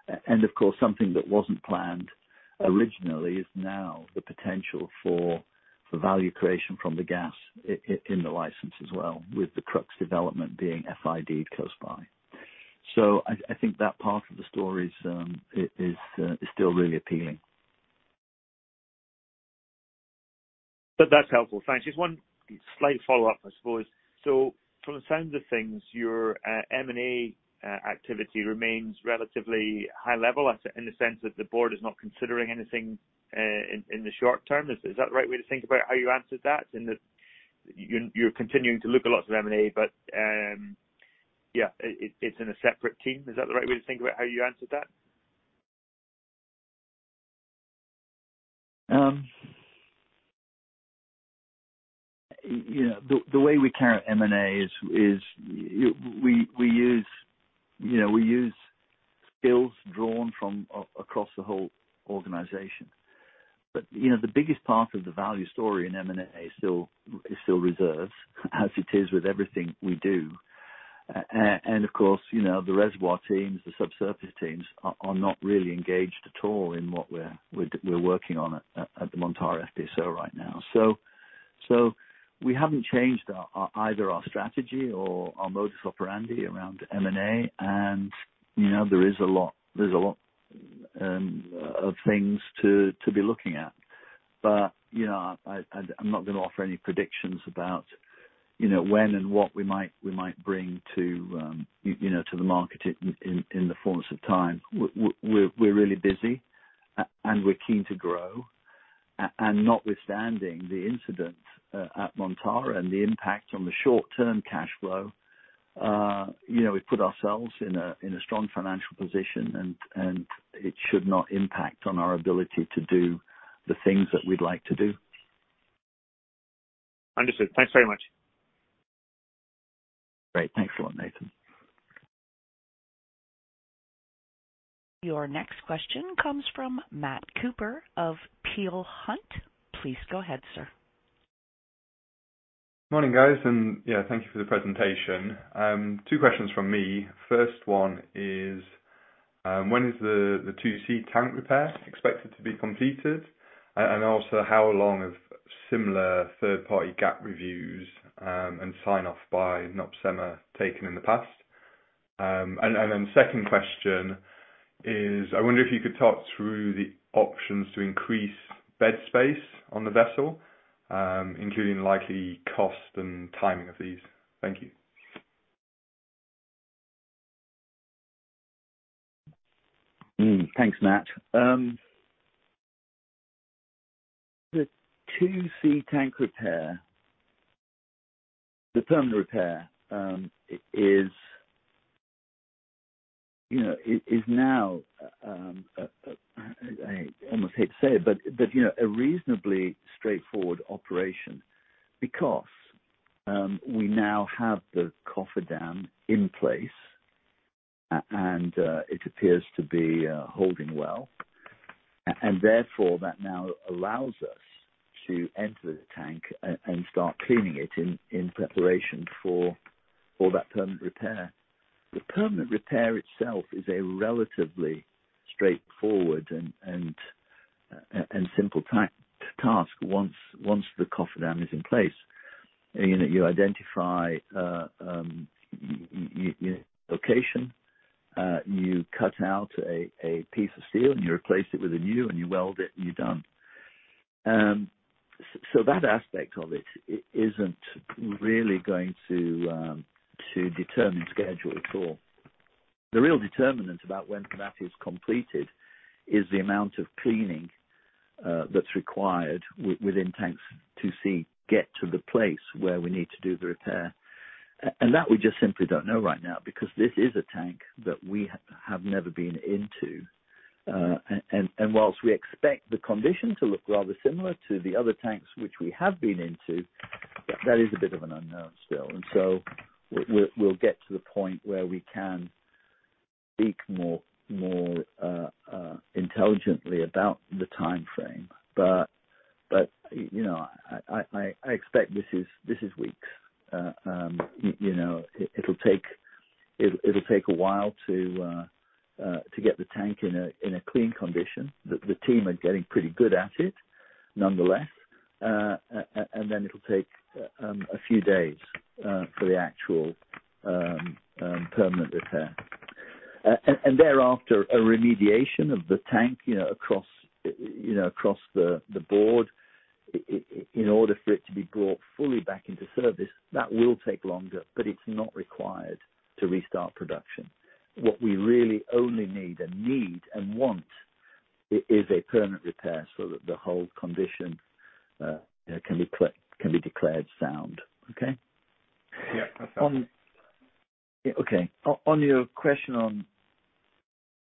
Of course, something that wasn't planned originally is now the potential for value creation from the gas in the license as well, with the Crux development being FIDed close by. I think that part of the story is still really appealing. That's helpful. Thanks. Just one slight follow-up, I suppose. So from the sound of things, your M&A activity remains relatively high level in the sense that the board is not considering anything in the short term. Is that the right way to think about how you answered that? In that you're continuing to look a lot of M&A, but yeah, it's in a separate team. Is that the right way to think about how you answered that? You know, the way we carry out M&A is we use skills drawn from across the whole organization. You know, the biggest part of the value story in M&A is still reserves, as it is with everything we do. Of course, you know, the reservoir teams, the subsurface teams are not really engaged at all in what we're working on at the Montara FPSO right now. We haven't changed either our strategy or our modus operandi around M&A. You know, there's a lot of things to be looking at. You know, I'm not gonna offer any predictions about, you know, when and what we might bring to, you know, to the market in the fullness of time. We're really busy and we're keen to grow. Notwithstanding the incident at Montara and the impact on the short-term cash flow, you know, we've put ourselves in a strong financial position and it should not impact on our ability to do the things that we'd like to do. Understood. Thanks very much. Great. Thanks a lot, Nathan. Your next question comes from Matt Cooper of Peel Hunt. Please go ahead, sir. Morning, guys. Yeah, thank you for the presentation. Two questions from me. First one is, when is the 2C tank repair expected to be completed? And also how long have similar third-party gap reviews and sign-off by NOPSEMA taken in the past? Second question is, I wonder if you could talk through the options to increase bed space on the vessel, including likely cost and timing of these. Thank you. Thanks, Matt. The tank 2C repair, the permanent repair, is, you know, now a reasonably straightforward operation because we now have the cofferdam in place and it appears to be holding well. Therefore, that now allows us to enter the tank and start cleaning it in preparation for that permanent repair. The permanent repair itself is a relatively straightforward and simple task once the cofferdam is in place. You know, you identify your location, you cut out a piece of steel and you replace it with a new and you weld it and you're done. That aspect of it isn't really going to determine schedule at all. The real determinant about when that is completed is the amount of cleaning that's required within tank 2C to get to the place where we need to do the repair. That we just simply don't know right now because this is a tank that we have never been into. While we expect the condition to look rather similar to the other tanks which we have been into, that is a bit of an unknown still. We'll get to the point where we can speak more intelligently about the timeframe. You know, I expect this is weeks. You know, it'll take a while to get the tank in a clean condition. The team are getting pretty good at it, nonetheless. It'll take a few days for the actual permanent repair. Thereafter, a remediation of the tank, you know, across the board in order for it to be brought fully back into service, that will take longer, but it's not required to restart production. What we really only need and want is a permanent repair so that the whole condition, you know, can be declared sound. Okay? Yeah. That's helpful. Okay. On your question on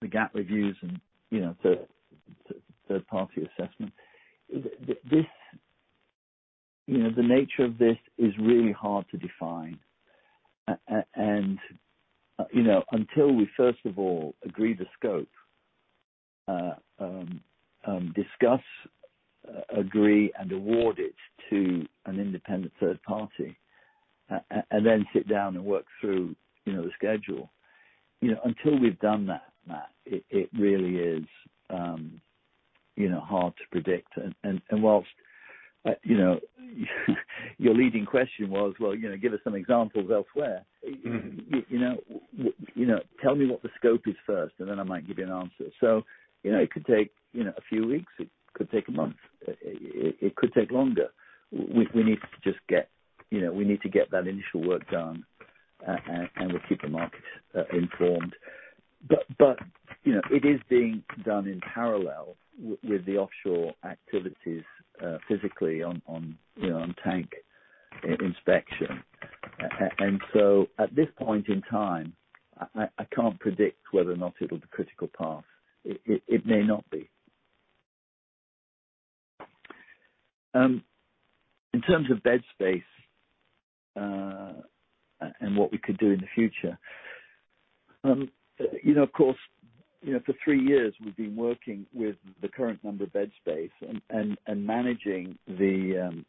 the gap reviews and, you know, third party assessment. This, you know, the nature of this is really hard to define. And, you know, until we first of all agree the scope, discuss, agree, and award it to an independent third party, and then sit down and work through, you know, the schedule. You know, until we've done that, Matt, it really is, you know, hard to predict. Whilst, you know, your leading question was, well, you know, give us some examples elsewhere. Mm-hmm. You know, tell me what the scope is first, and then I might give you an answer. You know, it could take, you know, a few weeks, it could take a month, it could take longer. We need to just get, you know, we need to get that initial work done, and we'll keep the market informed. You know, it is being done in parallel with the offshore activities, physically on, you know, on tank inspection. At this point in time, I can't predict whether or not it'll be critical path. It may not be. In terms of bed space and what we could do in the future. You know, of course, you know, for three years we've been working with the current number of bed space and managing the,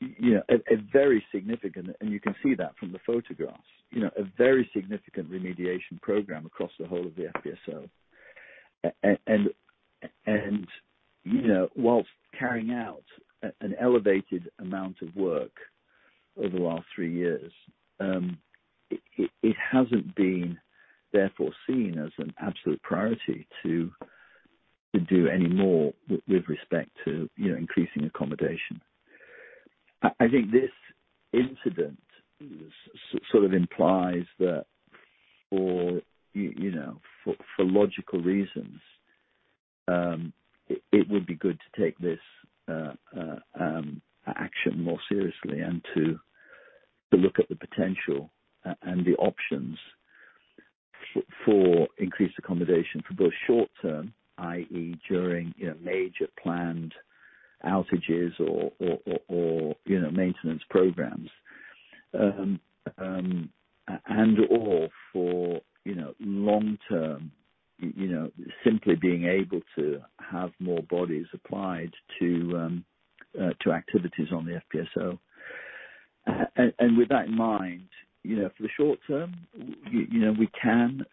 you know, a very significant, and you can see that from the photographs, you know, a very significant remediation program across the whole of the FPSO. You know, while carrying out an elevated amount of work over the last three years, it hasn't been therefore seen as an absolute priority to do any more with respect to, you know, increasing accommodation. I think this incident sort of implies that you know, for logical reasons, it would be good to take this action more seriously and to look at the potential and the options for increased accommodation for both short term, i.e., during you know, major planned outages or you know, maintenance programs, and for you know, long term, you know, simply being able to have more bodies applied to activities on the FPSO. And with that in mind, you know, for the short term, you know, we can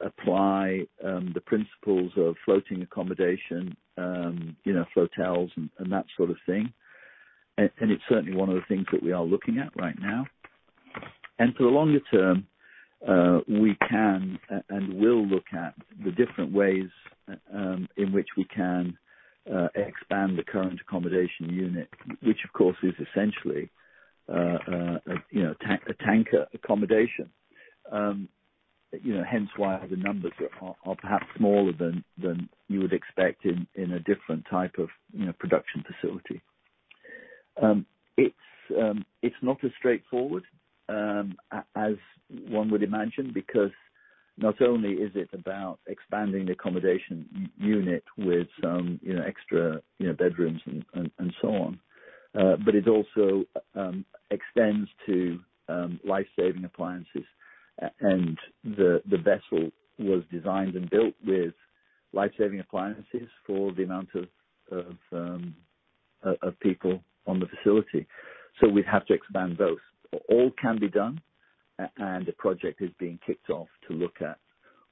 apply the principles of floating accommodation, you know, flotels and that sort of thing. It's certainly one of the things that we are looking at right now. For the longer term, we can and will look at the different ways in which we can expand the current accommodation unit, which of course is essentially, you know, tanker accommodation. You know, hence why the numbers are perhaps smaller than you would expect in a different type of, you know, production facility. It's not as straightforward as one would imagine, because not only is it about expanding the accommodation unit with some, you know, extra, you know, bedrooms and so on, but it also extends to life-saving appliances. The vessel was designed and built with life-saving appliances for the amount of people on the facility. We'd have to expand those. All can be done, and a project is being kicked off to look at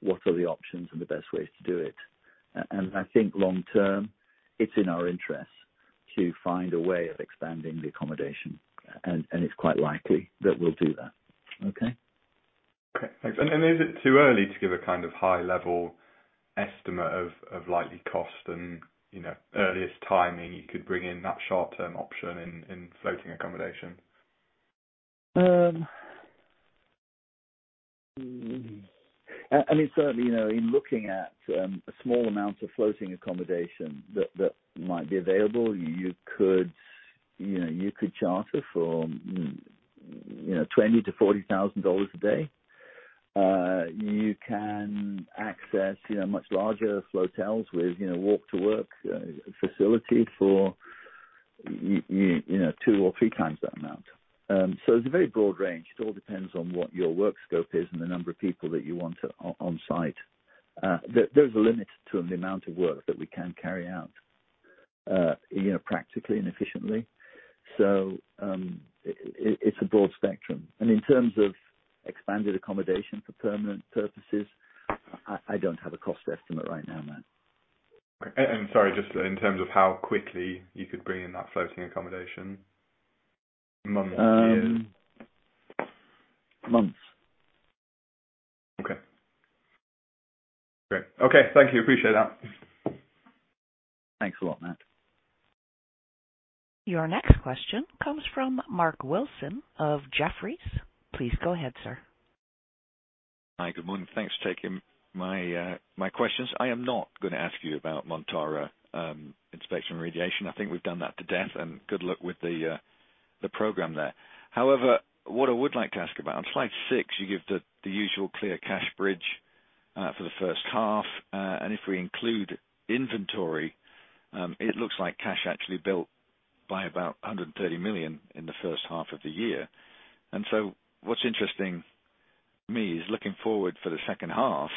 what are the options and the best ways to do it. I think long term, it's in our interest to find a way of expanding the accommodation, and it's quite likely that we'll do that. Okay? Okay, thanks. Is it too early to give a kind of high level estimate of likely cost and, you know, earliest timing you could bring in that short term option in floating accommodation? I mean, certainly, you know, in looking at a small amount of floating accommodation that might be available, you could, you know, you could charter for $20,000-$40,000 a day. You can access, you know, much larger flotels with, you know, walk to work facility for you know, two or three times that amount. It's a very broad range. It all depends on what your work scope is and the number of people that you want on site. There's a limit to the amount of work that we can carry out, you know, practically and efficiently. It's a broad spectrum. In terms of expanded accommodation for permanent purposes, I don't have a cost estimate right now, Matt. Sorry, just in terms of how quickly you could bring in that floating accommodation, months or years? Months. Okay. Great. Okay. Thank you. Appreciate that. Thanks a lot, Matt. Your next question comes from Mark Wilson of Jefferies. Please go ahead, sir. Hi. Good morning. Thanks for taking my questions. I am not gonna ask you about Montara inspection remediation. I think we've done that to death and good luck with the program there. However, what I would like to ask about, on slide 6, you give the usual clear cash bridge for the first half. If we include inventory, it looks like cash actually built by about $130 million in the first half of the year. What's interesting me is looking forward for the second half,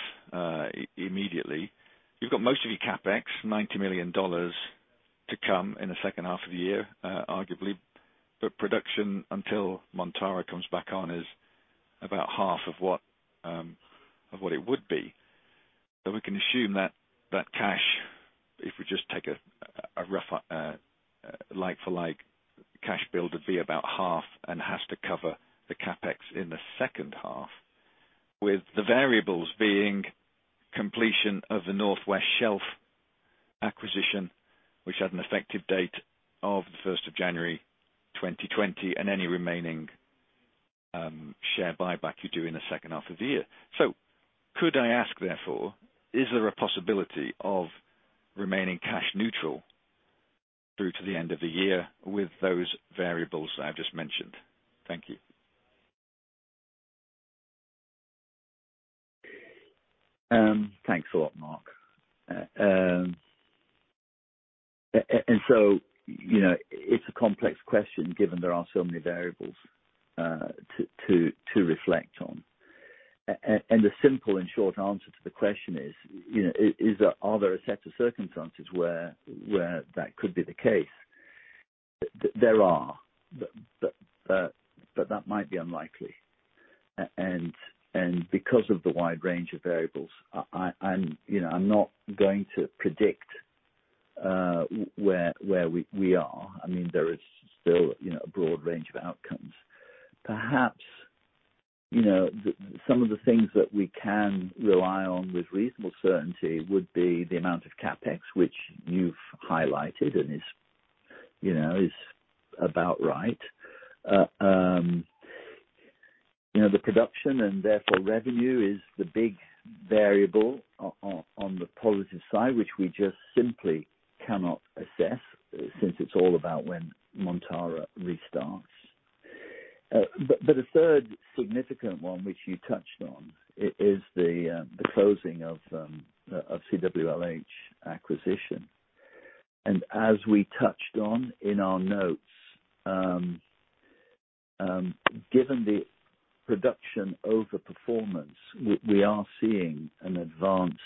immediately, you've got most of your CapEx, $90 million to come in the second half of the year, arguably, but production until Montara comes back on is about half of what it would be. We can assume that cash, if we just take a rough, like for like cash build would be about half and has to cover the CapEx in the second half, with the variables being completion of the North West Shelf acquisition, which had an effective date of the first of January 2020, and any remaining share buyback you do in the second half of the year. Could I ask therefore, is there a possibility of remaining cash neutral through to the end of the year with those variables that I've just mentioned? Thank you. Thanks a lot, Mark. You know, it's a complex question given there are so many variables to reflect on. The simple and short answer to the question is, you know, is there a set of circumstances where that could be the case? There are, but that might be unlikely. Because of the wide range of variables, you know, I'm not going to predict where we are. I mean, there is still, you know, a broad range of outcomes. Perhaps, you know, some of the things that we can rely on with reasonable certainty would be the amount of CapEx which you've highlighted and is, you know, is about right. You know, the production and therefore revenue is the big variable on the positive side, which we just simply cannot assess since it's all about when Montara restarts. A third significant one which you touched on is the closing of CWLH acquisition. As we touched on in our notes, given the production over performance, we are seeing an advanced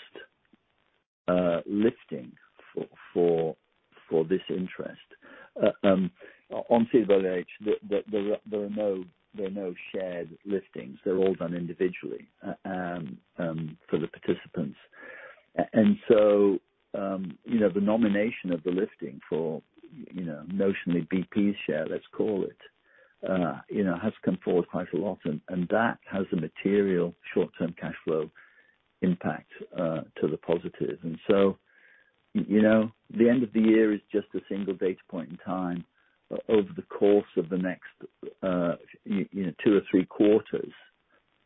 lifting for this interest. On CWLH, there are no shared liftings. They're all done individually for the participants. You know, the nomination of the lifting for, you know, notionally BP's share, let's call it, you know, has come forward quite a lot and that has a material short-term cash flow impact to the positive. You know, the end of the year is just a single data point in time. Over the course of the next, you know, two or three quarters,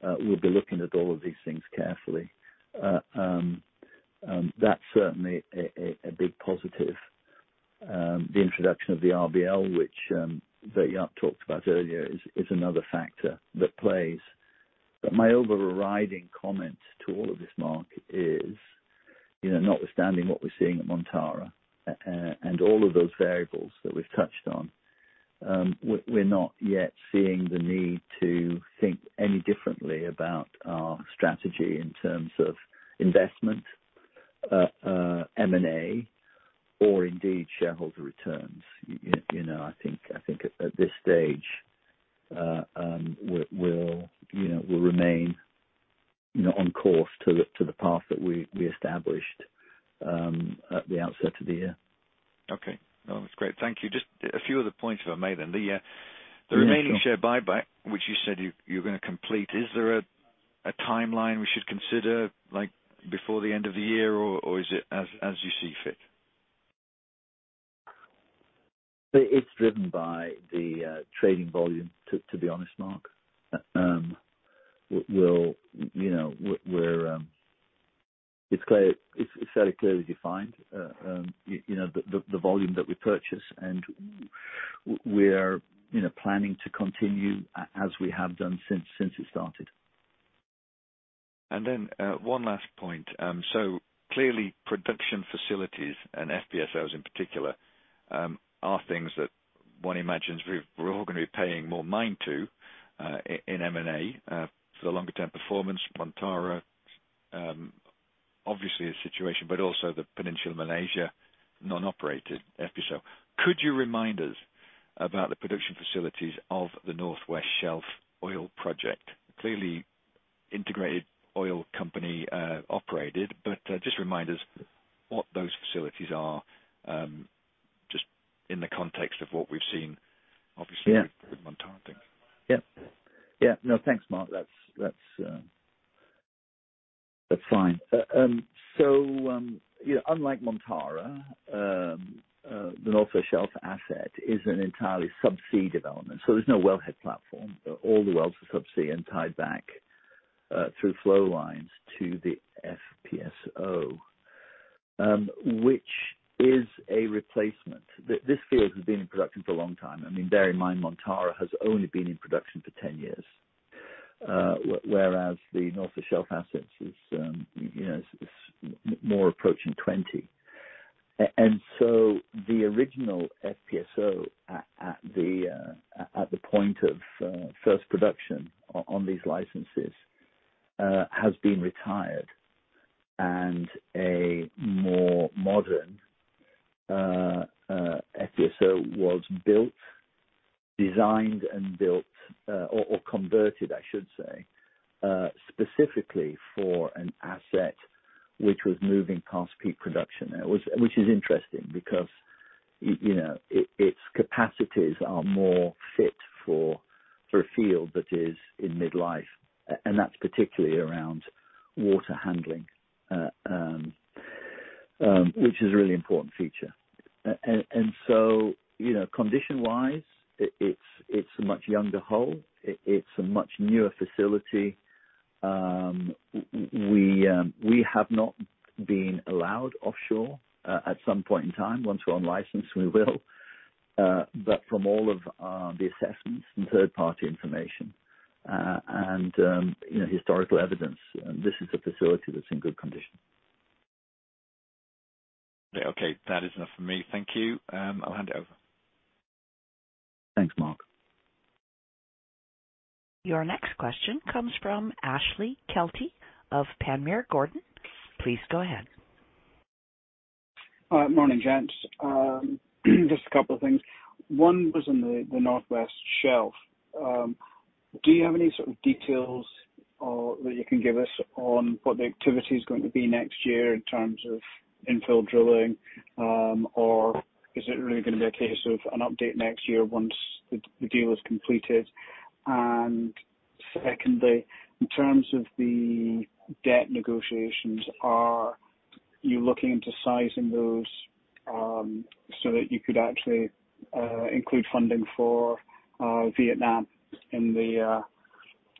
we'll be looking at all of these things carefully. That's certainly a big positive. The introduction of the RBL which that Jaap talked about earlier is another factor that plays. My overriding comment to all of this, Mark, is, you know, notwithstanding what we're seeing at Montara, and all of those variables that we've touched on, we're not yet seeing the need to think any differently about our strategy in terms of investment, M&A, or indeed shareholder returns. You know, I think at this stage, we'll, you know, remain, you know, on course to the path that we established at the outset of the year. Okay. No, that's great. Thank you. Just a few other points if I may then. Yeah, sure. The remaining share buyback, which you said you're gonna complete, is there a timeline we should consider, like, before the end of the year or is it as you see fit? It's driven by the trading volume, to be honest, Mark. It's clear. It's fairly clearly defined, you know, the volume that we purchase, and we are, you know, planning to continue as we have done since it started. One last point. Clearly production facilities and FPSOs in particular are things that one imagines we're all gonna be paying more mind to in M&A for the longer term performance. Montara obviously a situation, but also the Peninsular Malaysia non-operated FPSO. Could you remind us about the production facilities of the North West Shelf Oil Project? Clearly integrated oil company operated, but just remind us what those facilities are just in the context of what we've seen, obviously. Yeah. with Montara. Thanks. Yeah. Yeah. No, thanks, Mark. That's fine. You know, unlike Montara, the North West Shelf asset is an entirely subsea development, so there's no wellhead platform. All the wells are subsea and tied back through flow lines to the FPSO, which is a replacement. This field has been in production for a long time. I mean, bear in mind, Montara has only been in production for 10 years. Whereas the North West Shelf asset is, you know, more approaching 20. The original FPSO at the point of first production on these licenses has been retired, and a more modern FPSO was built, designed and built, or converted, I should say, specifically for an asset which was moving past peak production. Which is interesting because, you know, its capacities are more fit for a field that is in midlife, and that's particularly around water handling, which is a really important feature. So, you know, condition-wise, it's a much younger hull. It's a much newer facility. We have not been allowed offshore. At some point in time, once we're on license, we will. But from all of the assessments and third-party information, and you know, historical evidence, this is a facility that's in good condition. Okay. That is enough for me. Thank you. I'll hand it over. Thanks, Mark. Your next question comes from Ashley Kelty of Panmure Gordon. Please go ahead. Morning, gents. Just a couple of things. One was in the North West Shelf. Do you have any sort of details that you can give us on what the activity is going to be next year in terms of infill drilling? Or is it really gonna be a case of an update next year once the deal is completed? Secondly, in terms of the debt negotiations, are you looking into sizing those so that you could actually include funding for Vietnam in the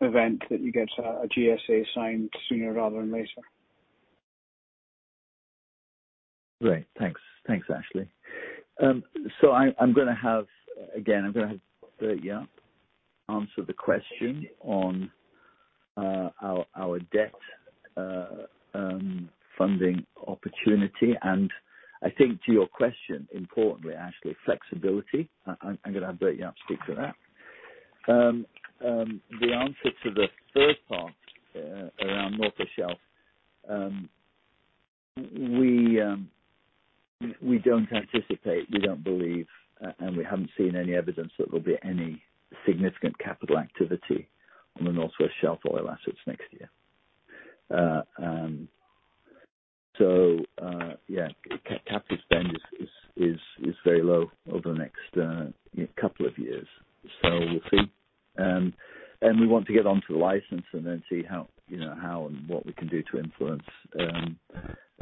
event that you get a GSA signed sooner rather than later? Great. Thanks. Thanks, Ashley. So I'm gonna have Bert-Jaap answer the question on our debt funding opportunity. I think to your question, importantly, Ashley, flexibility. I'm gonna have Bert-Jaap speak to that. The answer to the third part around North West Shelf, we don't anticipate, we don't believe, and we haven't seen any evidence that there'll be any significant capital activity on the North West Shelf oil assets next year. So, yeah, capital spend is very low over the next couple of years. We'll see. We want to get onto the license and then see how, you know, how and what we can do to influence, you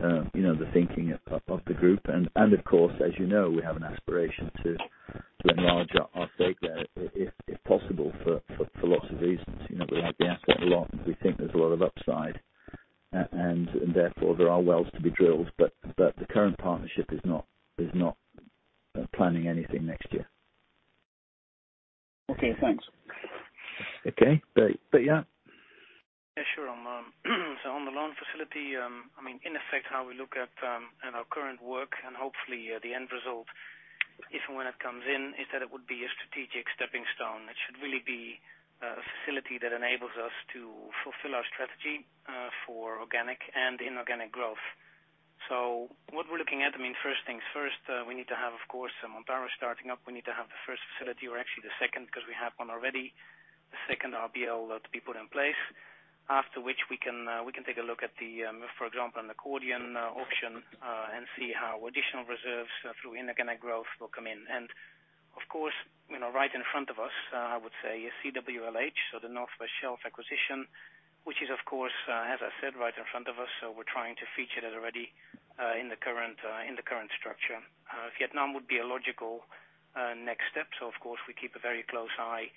know, the thinking of the group. Of course, as you know, we have an aspiration to enlarge our stake there, if possible, for lots of reasons. You know, we like the asset a lot, and we think there's a lot of upside. Therefore, there are wells to be drilled, but the current partnership is not planning anything next year. Okay, thanks. Okay. Bert-Jaap? Yeah, sure, on the loan facility, I mean, in effect, how we look at and our current work and hopefully the end result, if and when it comes in, is that it would be a strategic stepping stone. It should really be a facility that enables us to fulfill our strategy for organic and inorganic growth. What we're looking at, I mean, first things first, we need to have, of course, Montara starting up. We need to have the first facility or actually the second, because we have one already. The second RBL loan to be put in place, after which we can take a look at the, for example, an accordion option, and see how additional reserves through inorganic growth will come in. Of course, you know, right in front of us, I would say is CWLH, so the Northwest Shelf acquisition, which is of course, as I said, right in front of us, so we're trying to feature that already, in the current structure. Vietnam would be a logical next step. Of course, we keep a very close eye,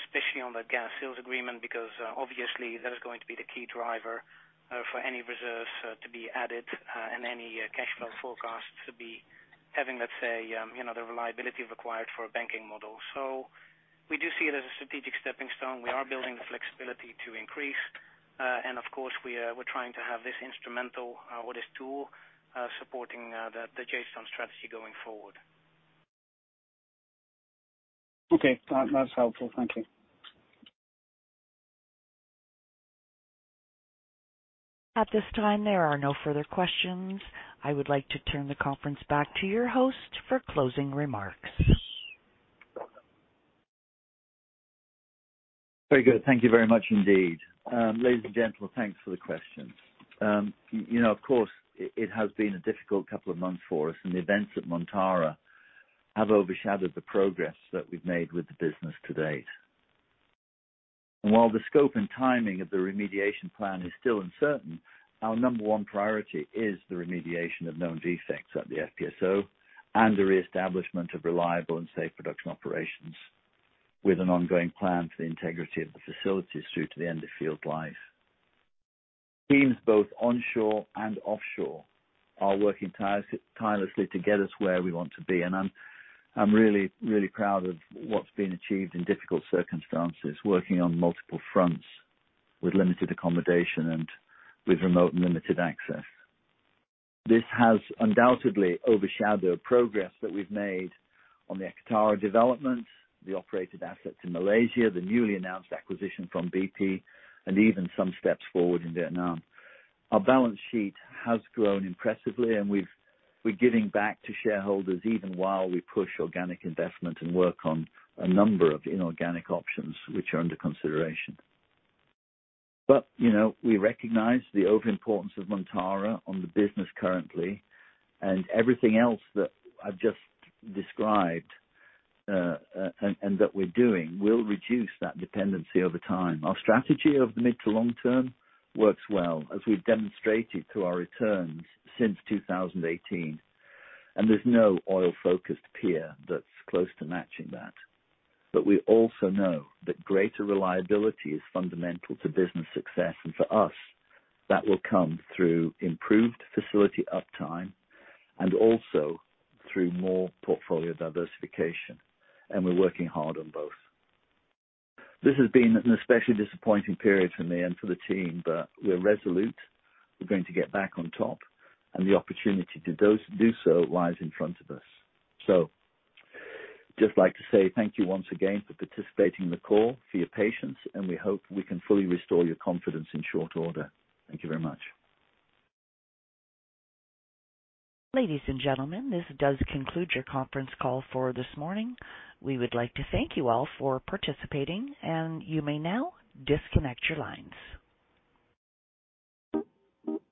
especially on the gas sales agreement, because, obviously that is going to be the key driver, for any reserves, to be added, and any, cash flow forecast to be having, let's say, you know, the reliability required for a banking model. We do see it as a strategic stepping stone. We are building the flexibility to increase. Of course, we're trying to have this instrumental, or this tool, supporting the Jadestone strategy going forward. Okay. That, that's helpful. Thank you. At this time, there are no further questions. I would like to turn the conference back to your host for closing remarks. Very good. Thank you very much indeed. Ladies and gentlemen, thanks for the questions. You know, of course, it has been a difficult couple of months for us, and the events at Montara have overshadowed the progress that we've made with the business to date. While the scope and timing of the remediation plan is still uncertain, our number one priority is the remediation of known defects at the FPSO and the reestablishment of reliable and safe production operations with an ongoing plan for the integrity of the facilities through to the end of field life. Teams both onshore and offshore are working tirelessly to get us where we want to be, and I'm really, really proud of what's been achieved in difficult circumstances, working on multiple fronts with limited accommodation and with remote limited access. This has undoubtedly overshadowed progress that we've made on the Akatara development, the operated assets in Malaysia, the newly announced acquisition from BP, and even some steps forward in Vietnam. Our balance sheet has grown impressively, and we're giving back to shareholders even while we push organic investment and work on a number of inorganic options which are under consideration. You know, we recognize the overriding importance of Montara on the business currently, and everything else that I've just described, and that we're doing will reduce that dependency over time. Our strategy over the mid to long term works well as we've demonstrated through our returns since 2018, and there's no oil-focused peer that's close to matching that. We also know that greater reliability is fundamental to business success, and for us, that will come through improved facility uptime and also through more portfolio diversification, and we're working hard on both. This has been an especially disappointing period for me and for the team, but we're resolute. We're going to get back on top, and the opportunity to do so lies in front of us. Just like to say thank you once again for participating in the call, for your patience, and we hope we can fully restore your confidence in short order. Thank you very much. Ladies and gentlemen, this does conclude your conference call for this morning. We would like to thank you all for participating, and you may now disconnect your lines.